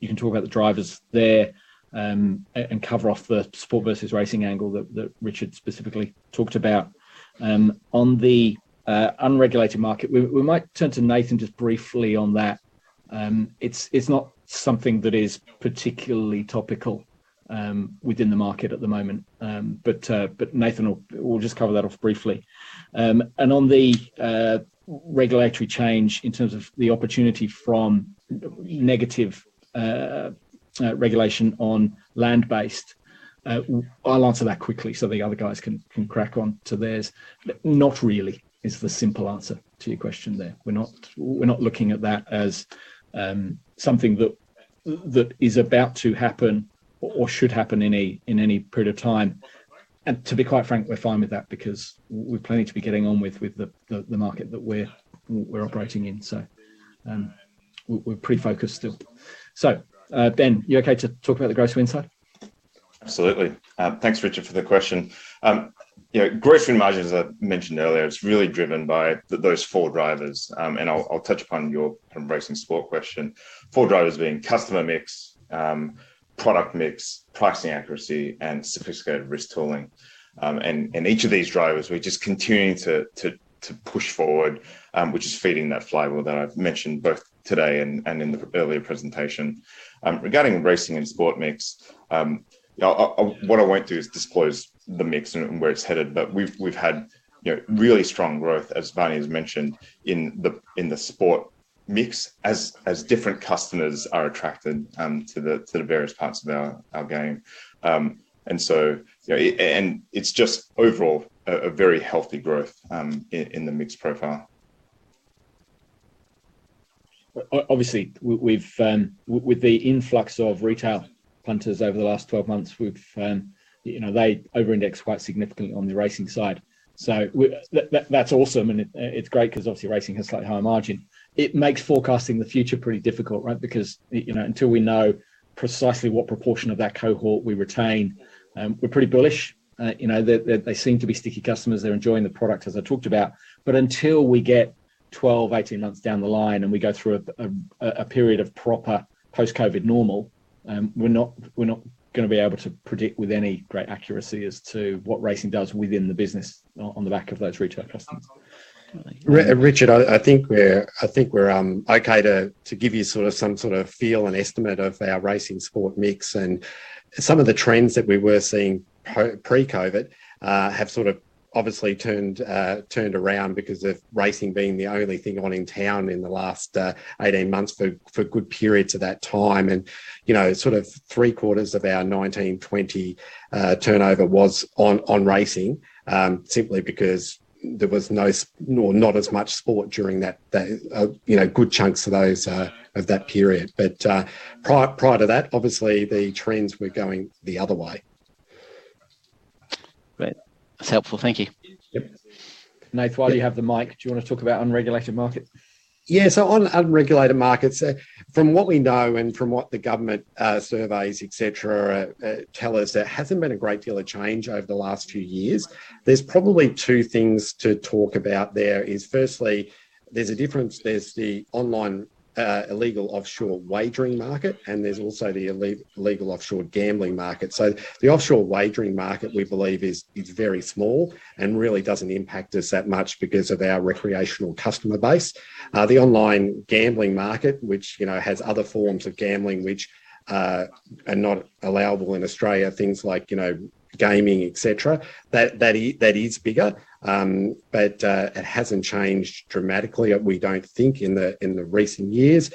you can talk about the drivers there, and cover off the sport versus racing angle that Richard specifically talked about. On the unregulated market, we might turn to Nathan just briefly on that. It's not something that is particularly topical within the market at the moment. Nathan will just cover that off briefly. On the regulatory change in terms of the opportunity from negative regulation on land-based, I'll answer that quickly so the other guys can crack on to theirs. Not really is the simple answer to your question there. We're not looking at that as something that is about to happen or should happen in any period of time. To be quite frank, we're fine with that because we've plenty to be getting on with the market that we're operating in. We're pretty focused still. Ben, you okay to talk about the gross win side? Absolutely. Thanks, Richard, for the question. Gross win margin, as I mentioned earlier, it's really driven by those four drivers. I'll touch upon your racing sport question. Four drivers being customer mix, product mix, pricing accuracy, and sophisticated risk tooling. Each of these drivers, we're just continuing to push forward, which is feeding that flywheel that I've mentioned both today and in the earlier presentation. Regarding racing and sport mix, what I won't do is disclose the mix and where it's headed. We've had really strong growth, as Barni has mentioned, in the sport mix as different customers are attracted to the various parts of our game. It's just overall a very healthy growth in the mix profile. Obviously, with the influx of retail punters over the last 12 months, they over-indexed quite significantly on the racing side. That's awesome, and it's great because obviously racing has slightly higher margin. It makes forecasting the future pretty difficult, right? Because until we know precisely what proportion of that cohort we retain, we're pretty bullish. They seem to be sticky customers. They're enjoying the product, as I talked about. Until we get 12 months, 18 months down the line, and we go through a period of proper post-COVID normal, we're not going to be able to predict with any great accuracy as to what racing does within the business on the back of those retail customers. Richard, I think we're okay to give you some sort of feel and estimate of our racing sport mix. Some of the trends that we were seeing pre-COVID have sort of obviously turned around because of racing being the only thing on in town in the last 18 months for good periods of that time. Sort of three quarters of our 2019, 2020 turnover was on racing, simply because there was not as much sport during good chunks of that period. Prior to that, obviously the trends were going the other way. Great. That's helpful. Thank you. Yep. Nath, while you have the mic, do you want to talk about unregulated market? Yeah. On unregulated markets, from what we know and from what the government surveys, et cetera, tell us, there hasn't been a great deal of change over the last few years. There's probably two things to talk about there is firstly, there's a difference, there's the online illegal offshore wagering market, and there's also the illegal offshore gambling market. The offshore wagering market, we believe is very small and really doesn't impact us that much because of our recreational customer base. The online gambling market, which has other forms of gambling, which are not allowable in Australia, things like gaming, et cetera, that is bigger. It hasn't changed dramatically, we don't think, in the recent years.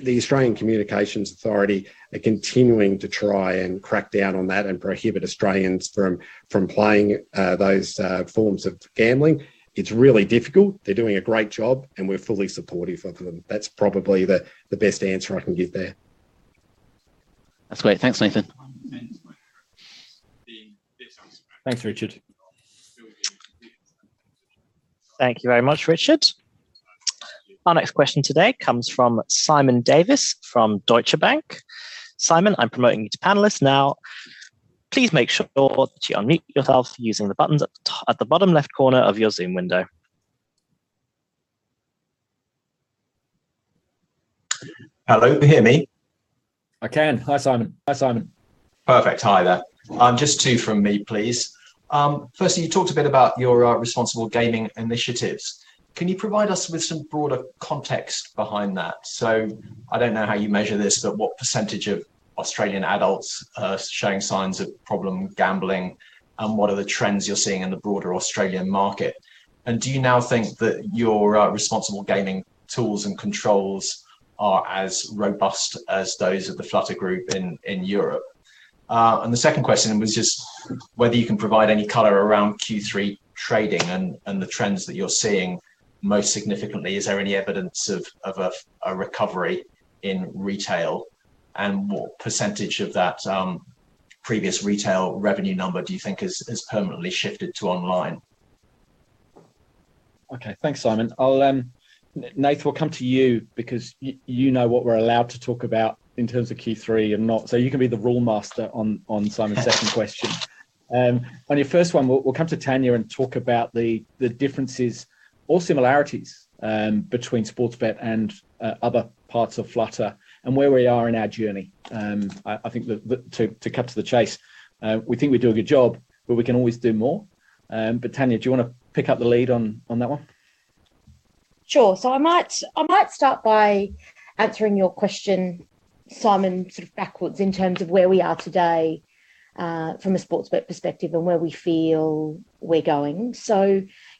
The Australian Communications and Media Authority are continuing to try and crack down on that and prohibit Australians from playing those forms of gambling. It's really difficult. They're doing a great job, and we're fully supportive of them. That's probably the best answer I can give there. That's great. Thanks, Nathan. Thanks, Richard. Thank you very much, Richard. Our next question today comes from Simon Davies from Deutsche Bank. Simon, I'm promoting you to panelist now. Please make sure that you unmute yourself using the buttons at the bottom left corner of your Zoom window. Hello, can you hear me? I can. Hi, Simon. Perfect. Hi there. Just two from me, please. Firstly, you talked a bit about your responsible gambling initiatives. Can you provide us with some broader context behind that? I don't know how you measure this, but what percentage of Australian adults are showing signs of problem gambling, and what are the trends you're seeing in the broader Australian market? Do you now think that your responsible gambling tools and controls are as robust as those of Flutter Entertainment in Europe? The second question was just whether you can provide any color around Q3 trading and the trends that you're seeing most significantly. Is there any evidence of a recovery in retail, and what percentage of that previous retail revenue number do you think has permanently shifted to online? Okay. Thanks, Simon. Nath, we'll come to you because you know what we're allowed to talk about in terms of Q3 and not, so you can be the rule master on Simon's second question. On your first one, we'll come to Tania and talk about the differences or similarities between Sportsbet and other parts of Flutter and where we are in our journey. I think that to cut to the chase, we think we do a good job, but we can always do more. Tania, do you want to pick up the lead on that one? Sure. I might start by answering your question, Simon, sort of backwards in terms of where we are today from a Sportsbet perspective and where we feel we're going.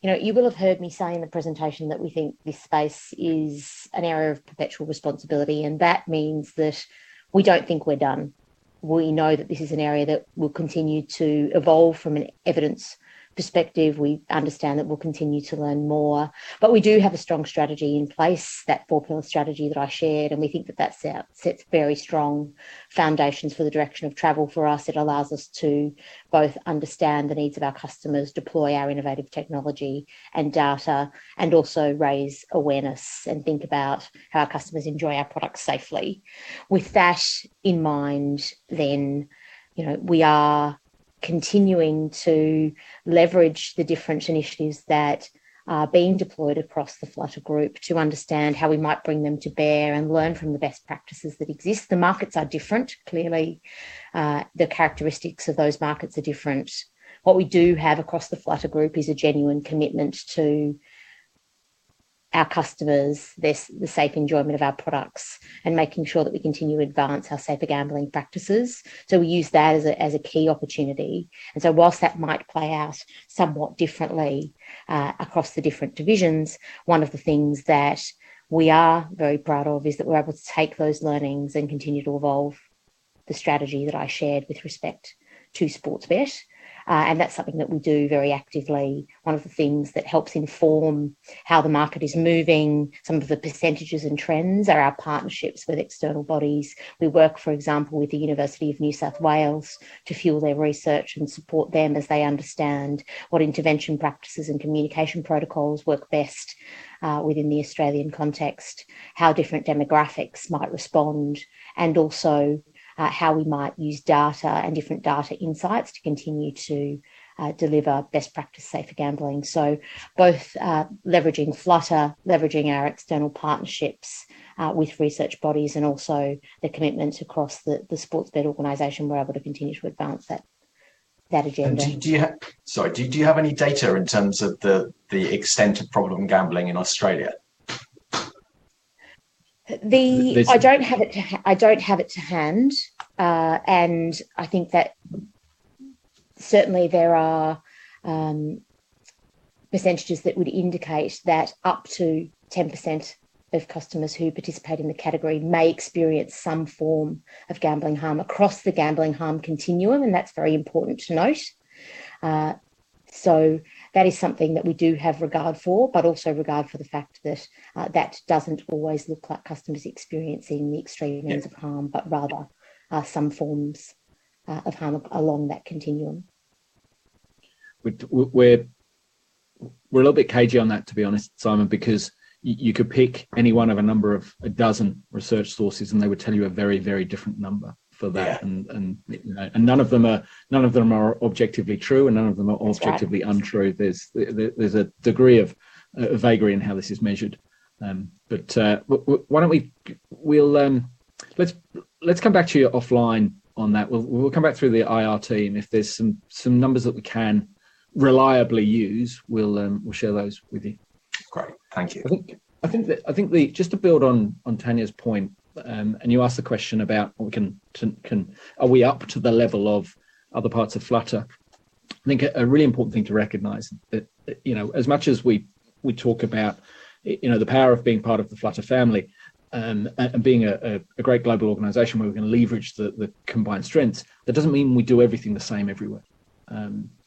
You will have heard me say in the presentation that we think this space is an area of perpetual responsibility, and that means that we don't think we're done. We know that this is an area that will continue to evolve from an evidence perspective. We understand that we'll continue to learn more. We do have a strong strategy in place, that four-pillar strategy that I shared, and we think that that sets very strong foundations for the direction of travel for us. It allows us to both understand the needs of our customers, deploy our innovative technology and data, and also raise awareness and think about how our customers enjoy our products safely. With that in mind, we are continuing to leverage the different initiatives that are being deployed across the Flutter Group to understand how we might bring them to bear and learn from the best practices that exist. Clearly, the characteristics of those markets are different. What we do have across the Flutter Group is a genuine commitment to our customers, the safe enjoyment of our products, and making sure that we continue to advance our safer gambling practices. We use that as a key opportunity. Whilst that might play out somewhat differently across the different divisions, one of the things that we are very proud of is that we're able to take those learnings and continue to evolve the strategy that I shared with respect to Sportsbet. That's something that we do very actively. One of the things that helps inform how the market is moving, some of the percentages and trends, are our partnerships with external bodies. We work, for example, with the University of New South Wales to fuel their research and support them as they understand what intervention practices and communication protocols work best within the Australian context, how different demographics might respond, and also how we might use data and different data insights to continue to deliver best practice safer gambling. Both leveraging Flutter, leveraging our external partnerships with research bodies and also the commitments across the Sportsbet organization, we're able to continue to advance that agenda. Sorry. Do you have any data in terms of the extent of problem gambling in Australia? I don't have it to hand. I think that certainly there are percentages that would indicate that up to 10% of customers who participate in the category may experience some form of gambling harm across the gambling harm continuum, and that's very important to note. That is something that we do have regard for, but also regard for the fact that that doesn't always look like customers experiencing the extreme ends of harm, but rather some forms of harm along that continuum. We're a little bit cagey on that, to be honest, Simon, because you could pick any one of a number of a dozen research sources and they would tell you a very, very different number for that. Yeah. None of them are objectively true. That's right. objectively untrue. There's a degree of vagary in how this is measured. Let's come back to you offline on that. We'll come back through the IRT, and if there's some numbers that we can reliably use, we'll share those with you. Great. Thank you. I think just to build on Tania's point, and you asked the question about are we up to the level of other parts of Flutter. I think a really important thing to recognize, as much as we talk about the power of being part of the Flutter family, and being a great global organization where we can leverage the combined strengths, that doesn't mean we do everything the same everywhere.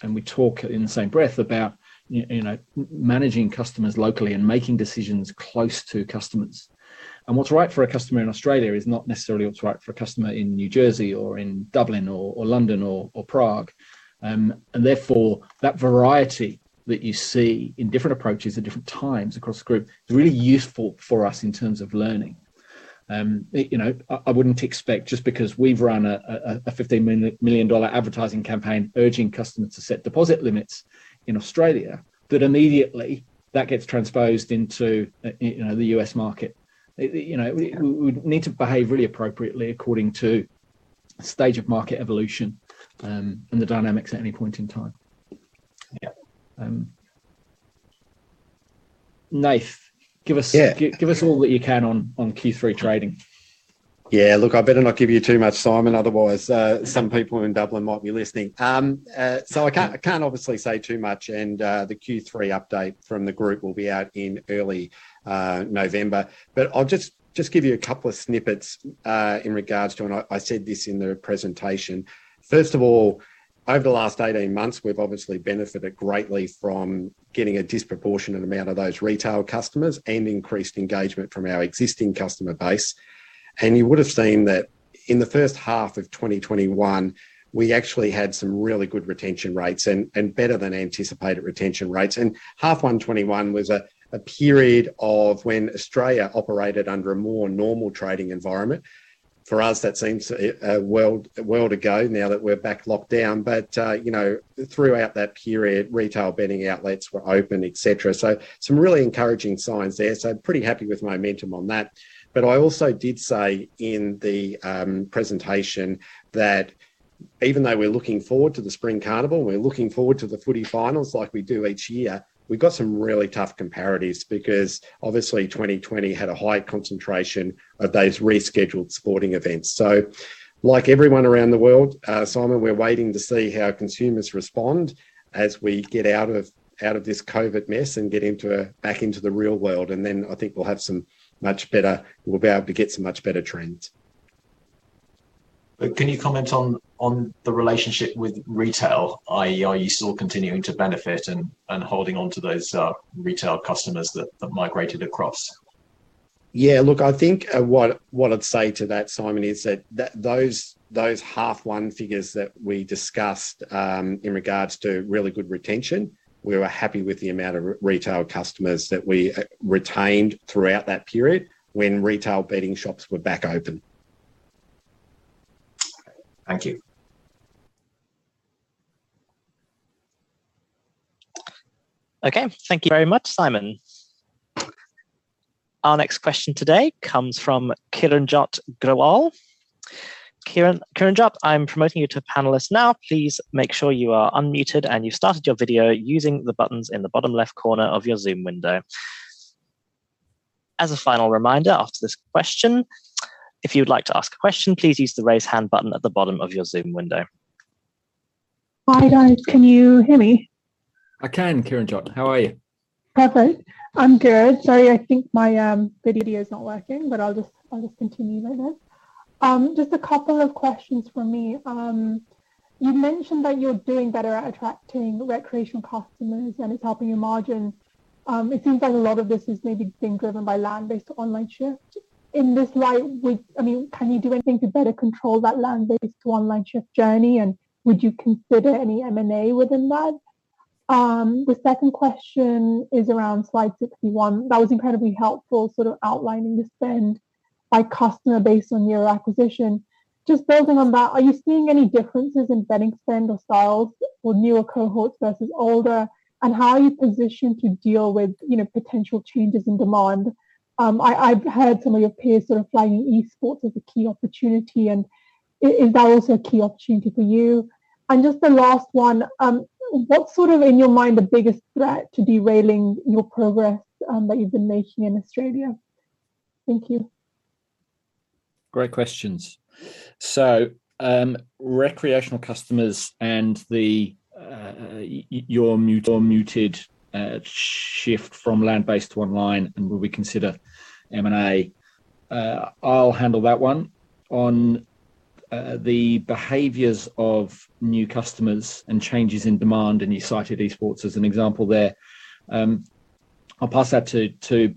We talk in the same breath about managing customers locally and making decisions close to customers. What's right for a customer in Australia is not necessarily what's right for a customer in New Jersey or in Dublin or London or Prague. Therefore, that variety that you see in different approaches at different times across the group is really useful for us in terms of learning. I wouldn't expect just because we've run a 15 million dollar advertising campaign urging customers to set deposit limits in Australia, that immediately that gets transposed into the U.S. market. We'd need to behave really appropriately according to stage of market evolution, and the dynamics at any point in time. Yeah. Nath. Yeah. Give us all that you can on Q3 trading. Yeah, look, I better not give you too much, Simon, otherwise some people in Dublin might be listening. I can't obviously say too much, and the Q3 update from the group will be out in early November. I'll just give you a couple of snippets in regards to, and I said this in the presentation. First of all, over the last 18 months, we've obviously benefited greatly from getting a disproportionate amount of those retail customers and increased engagement from our existing customer base. You would've seen that in the first half of 2021, we actually had some really good retention rates, and better than anticipated retention rates. Half one 2021 was a period of when Australia operated under a more normal trading environment. For us, that seems a world ago now that we're back locked down. Throughout that period, retail betting outlets were open, et cetera. Some really encouraging signs there. pretty happy with momentum on that. I also did say in the presentation that even though we're looking forward to the Spring Racing Carnival, we're looking forward to the footy finals like we do each year, we've got some really tough comparatives because obviously 2020 had a high concentration of those rescheduled sporting events. Like everyone around the world, Simon, we're waiting to see how consumers respond as we get out of this COVID mess and get back into the real world. Then I think we'll be able to get some much better trends. Can you comment on the relationship with retail, i.e., are you still continuing to benefit and holding onto those retail customers that migrated across? Yeah, look, I think what I'd say to that, Simon, is that those half one figures that we discussed, in regards to really good retention, we were happy with the amount of retail customers that we retained throughout that period when retail betting shops were back open. Thank you. Okay. Thank you very much, Simon. Our next question today comes from Kiranjot Grewal. Kiranjot, I'm promoting you to panelist now. Please make sure you are unmuted and you've started your video using the buttons in the bottom left corner of your Zoom window. As a final reminder, after this question, if you would like to ask a question, please use the raise hand button at the bottom of your Zoom window. Hi, guys. Can you hear me? I can, Kiranjot. How are you? Perfect. I'm good. Sorry, I think my video's not working, but I'll just continue like this. Just a couple of questions from me. You mentioned that you're doing better at attracting recreational customers and it's helping your margins. It seems like a lot of this is maybe being driven by land-based to online shift. In this light, can you do anything to better control that land-based to online shift journey, and would you consider any M&A within that? The second question is around slide 61. That was incredibly helpful sort of outlining the spend by customer based on your acquisition. Just building on that, are you seeing any differences in betting spend or styles for newer cohorts versus older, and how are you positioned to deal with potential changes in demand? I've heard some of your peers sort of flagging esports as a key opportunity, and is that also a key opportunity for you? Just the last one, what's sort of in your mind the biggest threat to derailing your progress that you've been making in Australia? Thank you. Great questions. Recreational customers and you're muted, shift from land-based to online and will we consider M&A? I'll handle that one. On the behaviors of new customers and changes in demand, and you cited esports as an example there. I'll pass that to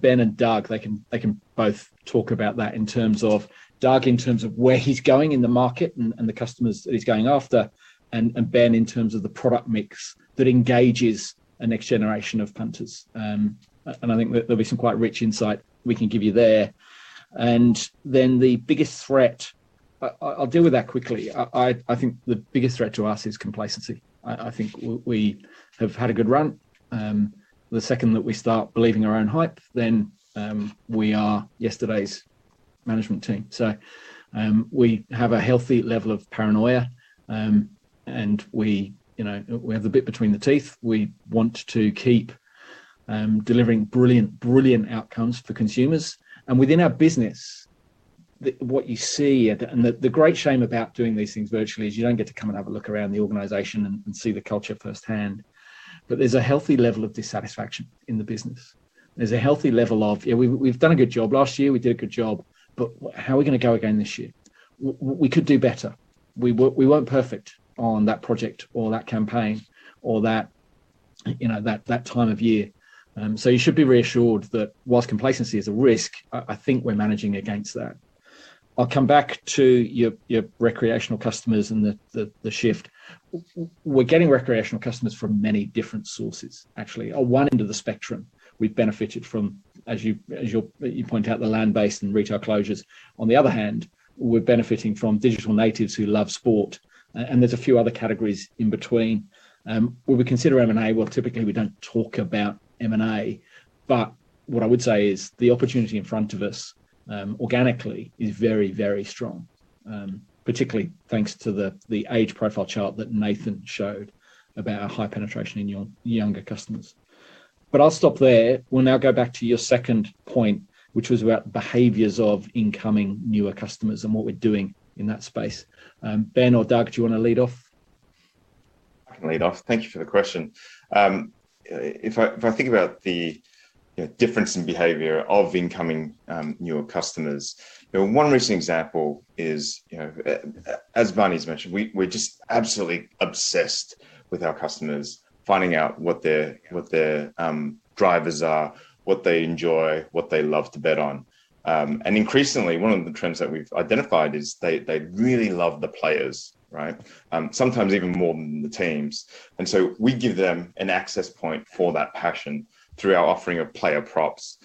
Ben and Doug. They can both talk about that in terms of, Doug, in terms of where he's going in the market and the customers that he's going after, and Ben in terms of the product mix that engages a next generation of punters. I think that there'll be some quite rich insight we can give you there. Then the biggest threat, I'll deal with that quickly. I think the biggest threat to us is complacency. I think we have had a good run. The second that we start believing our own hype, then we are yesterday's management team. We have a healthy level of paranoia, and we have the bit between the teeth. We want to keep delivering brilliant outcomes for consumers. Within our business, what you see, and the great shame about doing these things virtually is you don't get to come and have a look around the organization and see the culture firsthand. There's a healthy level of dissatisfaction in the business. There's a healthy level of, Yeah, we've done a good job. Last year, we did a good job, but how are we going to go again this year? We could do better. We weren't perfect on that project or that campaign or that time of year. You should be reassured that whilst complacency is a risk, I think we're managing against that. I'll come back to your recreational customers and the shift. We're getting recreational customers from many different sources, actually. At one end of the spectrum, we've benefited from, as you point out, the land-based and retail closures. On the other hand, we're benefiting from digital natives who love sport, and there's a few other categories in between. Will we consider M&A? Well, typically, we don't talk about M&A. What I would say is the opportunity in front of us organically is very strong. Particularly thanks to the age profile chart that Nathan showed about our high penetration in younger customers. I'll stop there. We'll now go back to your second point, which was about behaviors of incoming newer customers and what we're doing in that space. Ben or Doug, do you want to lead off? I can lead off. Thank you for the question. If I think about the difference in behavior of incoming newer customers, one recent example is, as Barni's mentioned, we're just absolutely obsessed with our customers, finding out what their drivers are, what they enjoy, what they love to bet on. Increasingly, one of the trends that we've identified is they really love the players, right? Sometimes even more than the teams. We give them an access point for that passion through our offering of player props.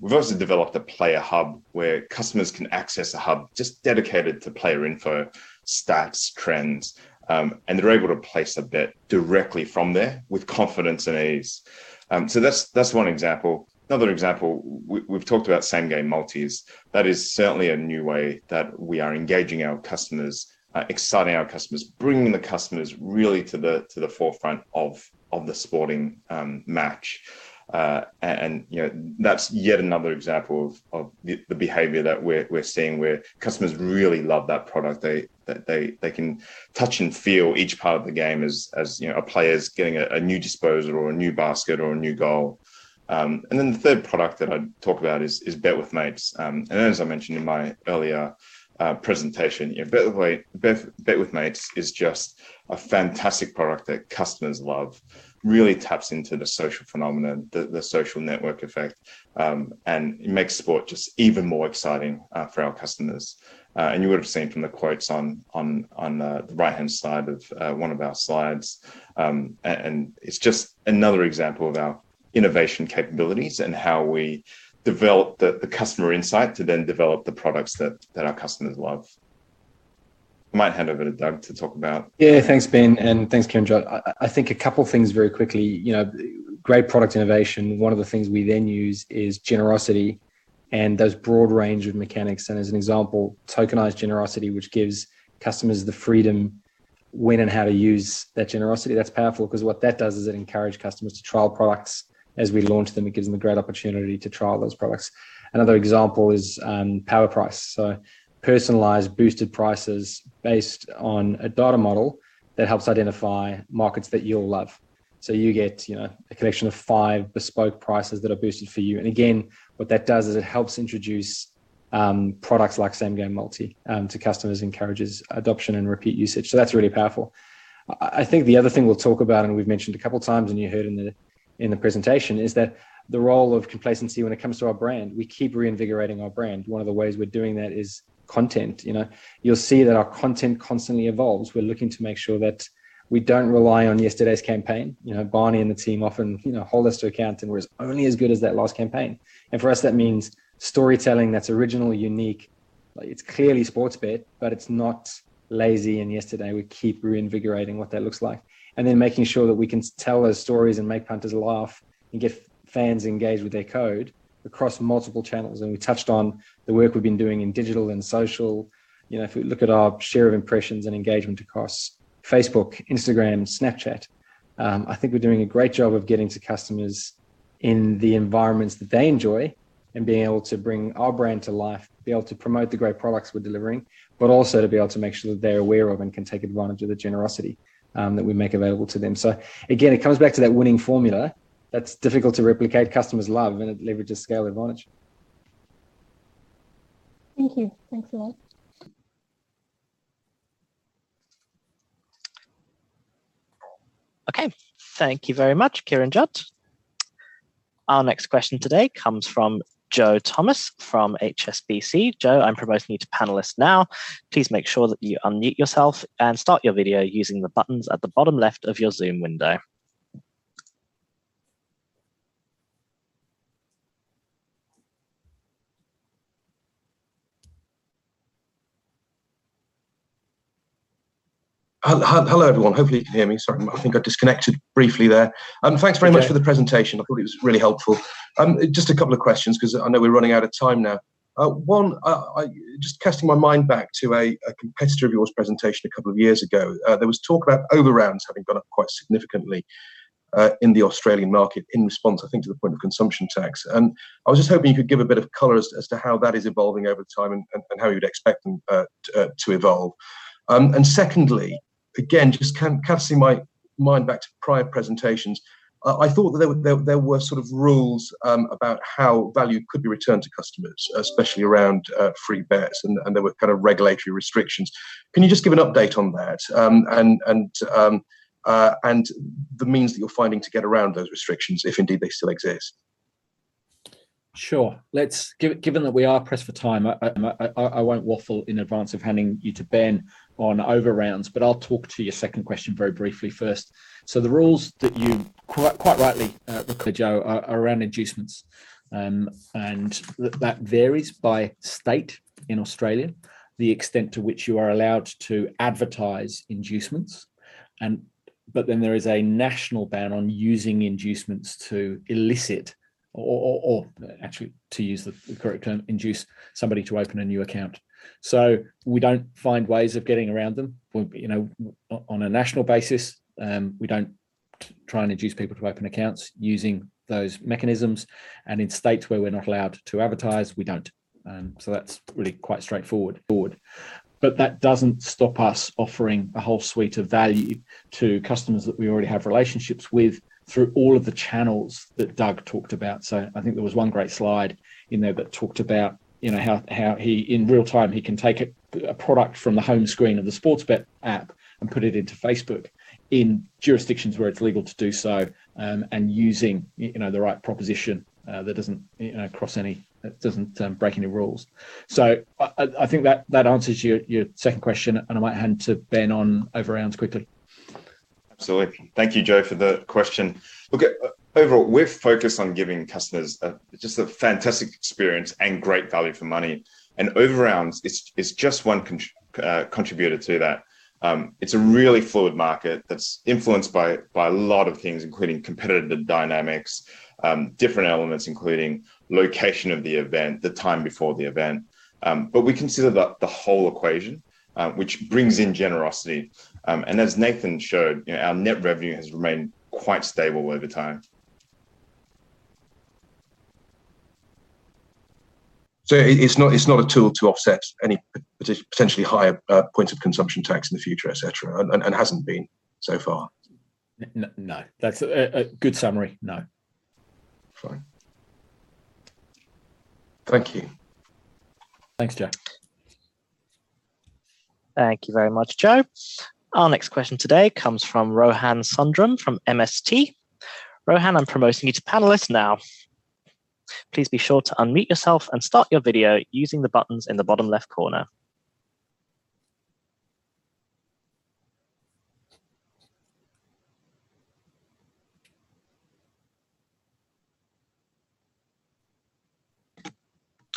We've also developed a player hub where customers can access a hub just dedicated to player info, stats, trends, and they're able to place a bet directly from there with confidence and ease. That's one example. Another example, we've talked about Same Game Multi. That is certainly a new way that we are engaging our customers, exciting our customers, bringing the customers really to the forefront of the sporting match. That's yet another example of the behavior that we're seeing where customers really love that product. They can touch and feel each part of the game as a player's getting a new disposal or a new basket or a new goal. The third product that I'd talk about is Bet With Mates. As I mentioned in my earlier presentation, Bet With Mates is just a fantastic product that customers love. Really taps into the social phenomenon, the social network effect, and it makes sport just even more exciting for our customers. You would've seen from the quotes on the right-hand side of one of our slides. It's just another example of our innovation capabilities and how we develop the customer insight to then develop the products that our customers love. I might hand over to Doug to talk about. Thanks Ben, and thanks Kiranjot. I think a couple things very quickly. Great product innovation, one of the things we then use is generosity and those broad range of mechanics. As an example, tokenized generosity, which gives customers the freedom when and how to use that generosity. That's powerful, because what that does is it encourage customers to trial products as we launch them. It gives them a great opportunity to trial those products. Another example is Power Price. Personalized boosted prices based on a data model that helps identify markets that you'll love. You get a collection of five bespoke prices that are boosted for you. Again, what that does is it helps introduce products like Same Game Multi to customers, encourages adoption and repeat usage, that's really powerful. I think the other thing we'll talk about, and we've mentioned a couple times and you heard in the presentation, is that the role of complacency when it comes to our brand. We keep reinvigorating our brand. One of the ways we're doing that is content. You'll see that our content constantly evolves. We're looking to make sure that we don't rely on yesterday's campaign. Barni and the team often hold us to account and we're as only as good as that last campaign. For us that means storytelling that's original, unique. It's clearly Sportsbet, but it's not lazy and yesterday. We keep reinvigorating what that looks like. Then making sure that we can tell those stories and make punters laugh and get fans engaged with their code across multiple channels. We touched on the work we've been doing in digital and social. If we look at our share of impressions and engagement across Facebook, Instagram, Snapchat, I think we're doing a great job of getting to customers in the environments that they enjoy and being able to bring our brand to life, be able to promote the great products we're delivering, but also to be able to make sure that they're aware of and can take advantage of the generosity that we make available to them. Again, it comes back to that winning formula that's difficult to replicate, customers love, and it leverages scale advantage. Thank you. Thanks a lot. Okay. Thank you very much, Kiranjot. Our next question today comes from Joe Thomas from HSBC. Joe, I'm promoting you to panelist now. Please make sure that you unmute yourself and start your video using the buttons at the bottom left of your Zoom window. Hello, everyone. Hopefully you can hear me. Sorry, I think I disconnected briefly there. You're good. Thanks very much for the presentation. I thought it was really helpful. Just a couple of questions because I know we're running out of time now. One, just casting my mind back to a competitor of yours presentation a couple of years ago. There was talk about overrounds having gone up quite significantly, in the Australian market in response, I think, to the point of consumption tax. I was just hoping you could give a bit of color as to how that is evolving over time and how you'd expect them to evolve. Secondly, again, just casting my mind back to prior presentations, I thought that there were sort of rules about how value could be returned to customers, especially around free bets, and there were kind of regulatory restrictions. Can you just give an update on that? The means that you're finding to get around those restrictions, if indeed they still exist. Sure. Given that we are pressed for time, I won't waffle in advance of handing you to Ben on overrounds, but I'll talk to your second question very briefly first. The rules that you quite rightly looked at, Joe, are around inducements. That varies by state in Australia, the extent to which you are allowed to advertise inducements. There is a national ban on using inducements to elicit or, actually, to use the correct term, induce somebody to open a new account. We don't find ways of getting around them. On a national basis, we don't Try and induce people to open accounts using those mechanisms. In states where we're not allowed to advertise, we don't. That's really quite straightforward. That doesn't stop us offering a whole suite of value to customers that we already have relationships with through all of the channels that Doug talked about. I think there was one great slide in there that talked about how, in real time, he can take a product from the home screen of the Sportsbet app and put it into Facebook in jurisdictions where it's legal to do so, and using the right proposition that doesn't break any rules. I think that answers your second question, and I might hand to Ben on overrounds quickly. Absolutely. Thank you, Joe, for the question. Look, overall, we're focused on giving customers just a fantastic experience and great value for money, overrounds is just one contributor to that. It's a really fluid market that's influenced by a lot of things, including competitive dynamics, different elements, including location of the event, the time before the event. We consider the whole equation, which brings in generosity. As Nathan showed, our net revenue has remained quite stable over time. It's not a tool to offset any potentially higher point of consumption tax in the future, et cetera, and hasn't been so far? No. That's a good summary. No. Fine. Thank you. Thanks, Joe. Thank you very much, Joe. Our next question today comes from Rohan Sundram from MST. Rohan, I'm promoting you to panelist now. Please be sure to unmute yourself and start your video using the buttons in the bottom left corner.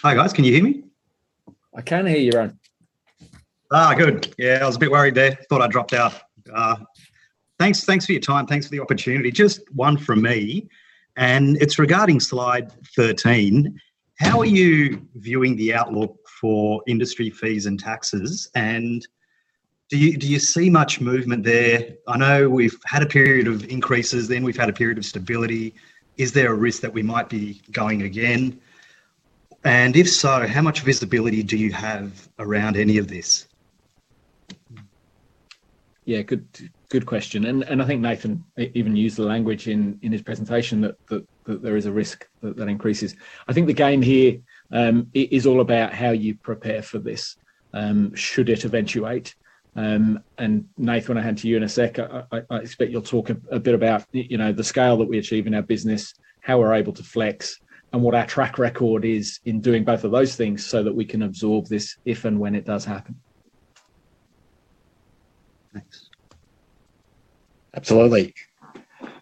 Hi, guys. Can you hear me? I can hear you, Rohan. Good. I was a bit worried there. I thought I dropped out. Thanks for your time. Thanks for the opportunity. Just one from me, and it's regarding slide 13. How are you viewing the outlook for industry fees and taxes, and do you see much movement there? I know we've had a period of increases, then we've had a period of stability. Is there a risk that we might be going again? If so, how much visibility do you have around any of this? Yeah. Good question. I think Nathan even used the language in his presentation that there is a risk that increases. I think the game here is all about how you prepare for this should it eventuate. Nathan, I'll hand to you in a sec. I expect you'll talk a bit about the scale that we achieve in our business, how we're able to flex, and what our track record is in doing both of those things so that we can absorb this if and when it does happen. Thanks. Absolutely.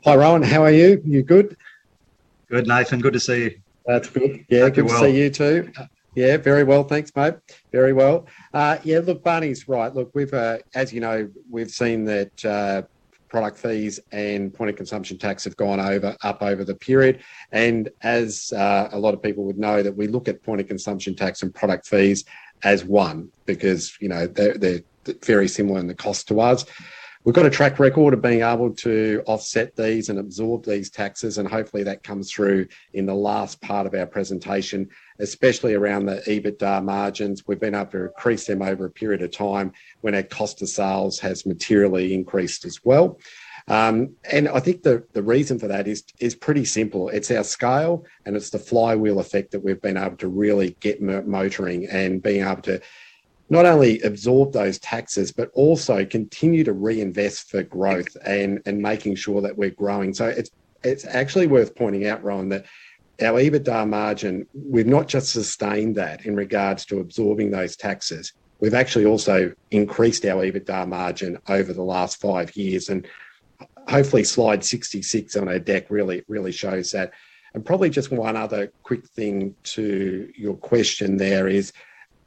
Hi, Rohan. How are you? You good? Good, Nathan. Good to see you. That's good. Yeah. Hope you're well. Good to see you, too. Yeah, very well. Thanks, mate. Very well. Yeah, look, Barni's right. Look, as you know, we've seen that product fees and point of consumption tax have gone up over the period. As a lot of people would know, that we look at point of consumption tax and product fees as one because they're very similar in the cost to us. We've got a track record of being able to offset these and absorb these taxes, and hopefully, that comes through in the last part of our presentation, especially around the EBITDA margins. We've been able to increase them over a period of time when our cost of sales has materially increased as well. I think the reason for that is pretty simple. It's our scale, it's the flywheel effect that we've been able to really get motoring and being able to not only absorb those taxes, but also continue to reinvest for growth and making sure that we're growing. It's actually worth pointing out, Rohan, that our EBITDA margin, we've not just sustained that in regards to absorbing those taxes. We've actually also increased our EBITDA margin over the last five years. Hopefully, slide 66 on our deck really shows that. Probably just one other quick thing to your question there is,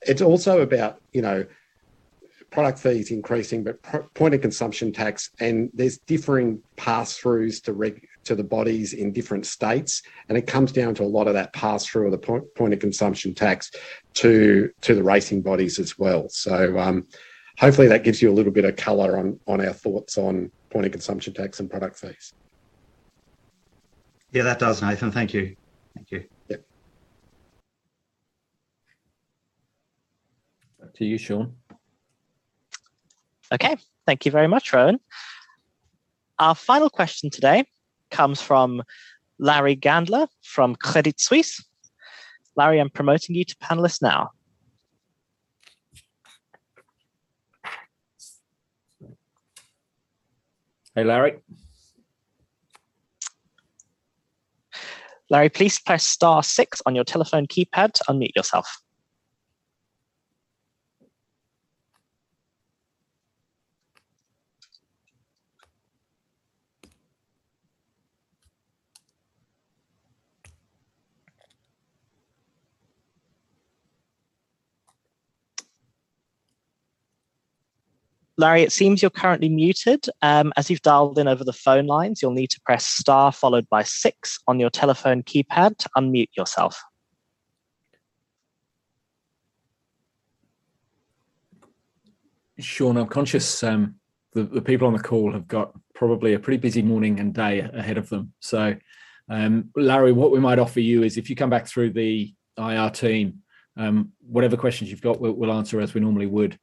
it's also about product fees increasing, but point of consumption tax, and there's differing passthroughs to the bodies in different states. It comes down to a lot of that passthrough of the point of consumption tax to the racing bodies as well. Hopefully that gives you a little bit of color on our thoughts on point of consumption tax and product fees. Yeah, that does, Nathan. Thank you. Thank you. Yep. Back to you, Sean. Okay. Thank you very much, Rohan. Our final question today comes from Larry Gandler from Credit Suisse. Larry, I'm promoting you to panelist now. Hey, Larry. Larry, please press star six on your telephone keypad to unmute yourself. Larry, it seems you're currently muted. As you've dialed in over the phone lines, you'll need to press star followed by six on your telephone keypad to unmute yourself. Sean, I'm conscious the people on the call have got probably a pretty busy morning and day ahead of them. Larry, what we might offer you is if you come back through the IR team, whatever questions you've got, we'll answer as we normally would.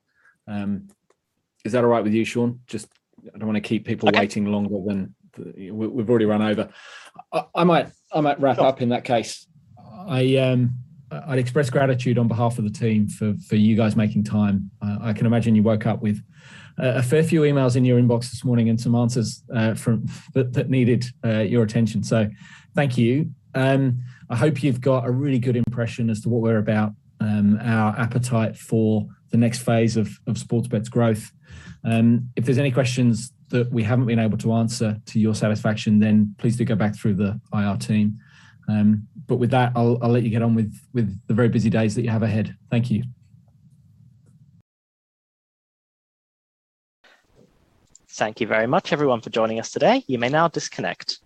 Is that all right with you, Sean? Just I don't want to keep people waiting longer when we've already run over. I might wrap up in that case. I'd express gratitude on behalf of the team for you guys making time. I can imagine you woke up with a fair few emails in your inbox this morning and some answers that needed your attention. Thank you. I hope you've got a really good impression as to what we're about, our appetite for the next phase of Sportsbet's growth. If there's any questions that we haven't been able to answer to your satisfaction, then please do go back through the IR team. With that, I'll let you get on with the very busy days that you have ahead. Thank you. Thank you very much, everyone, for joining us today. You may now disconnect.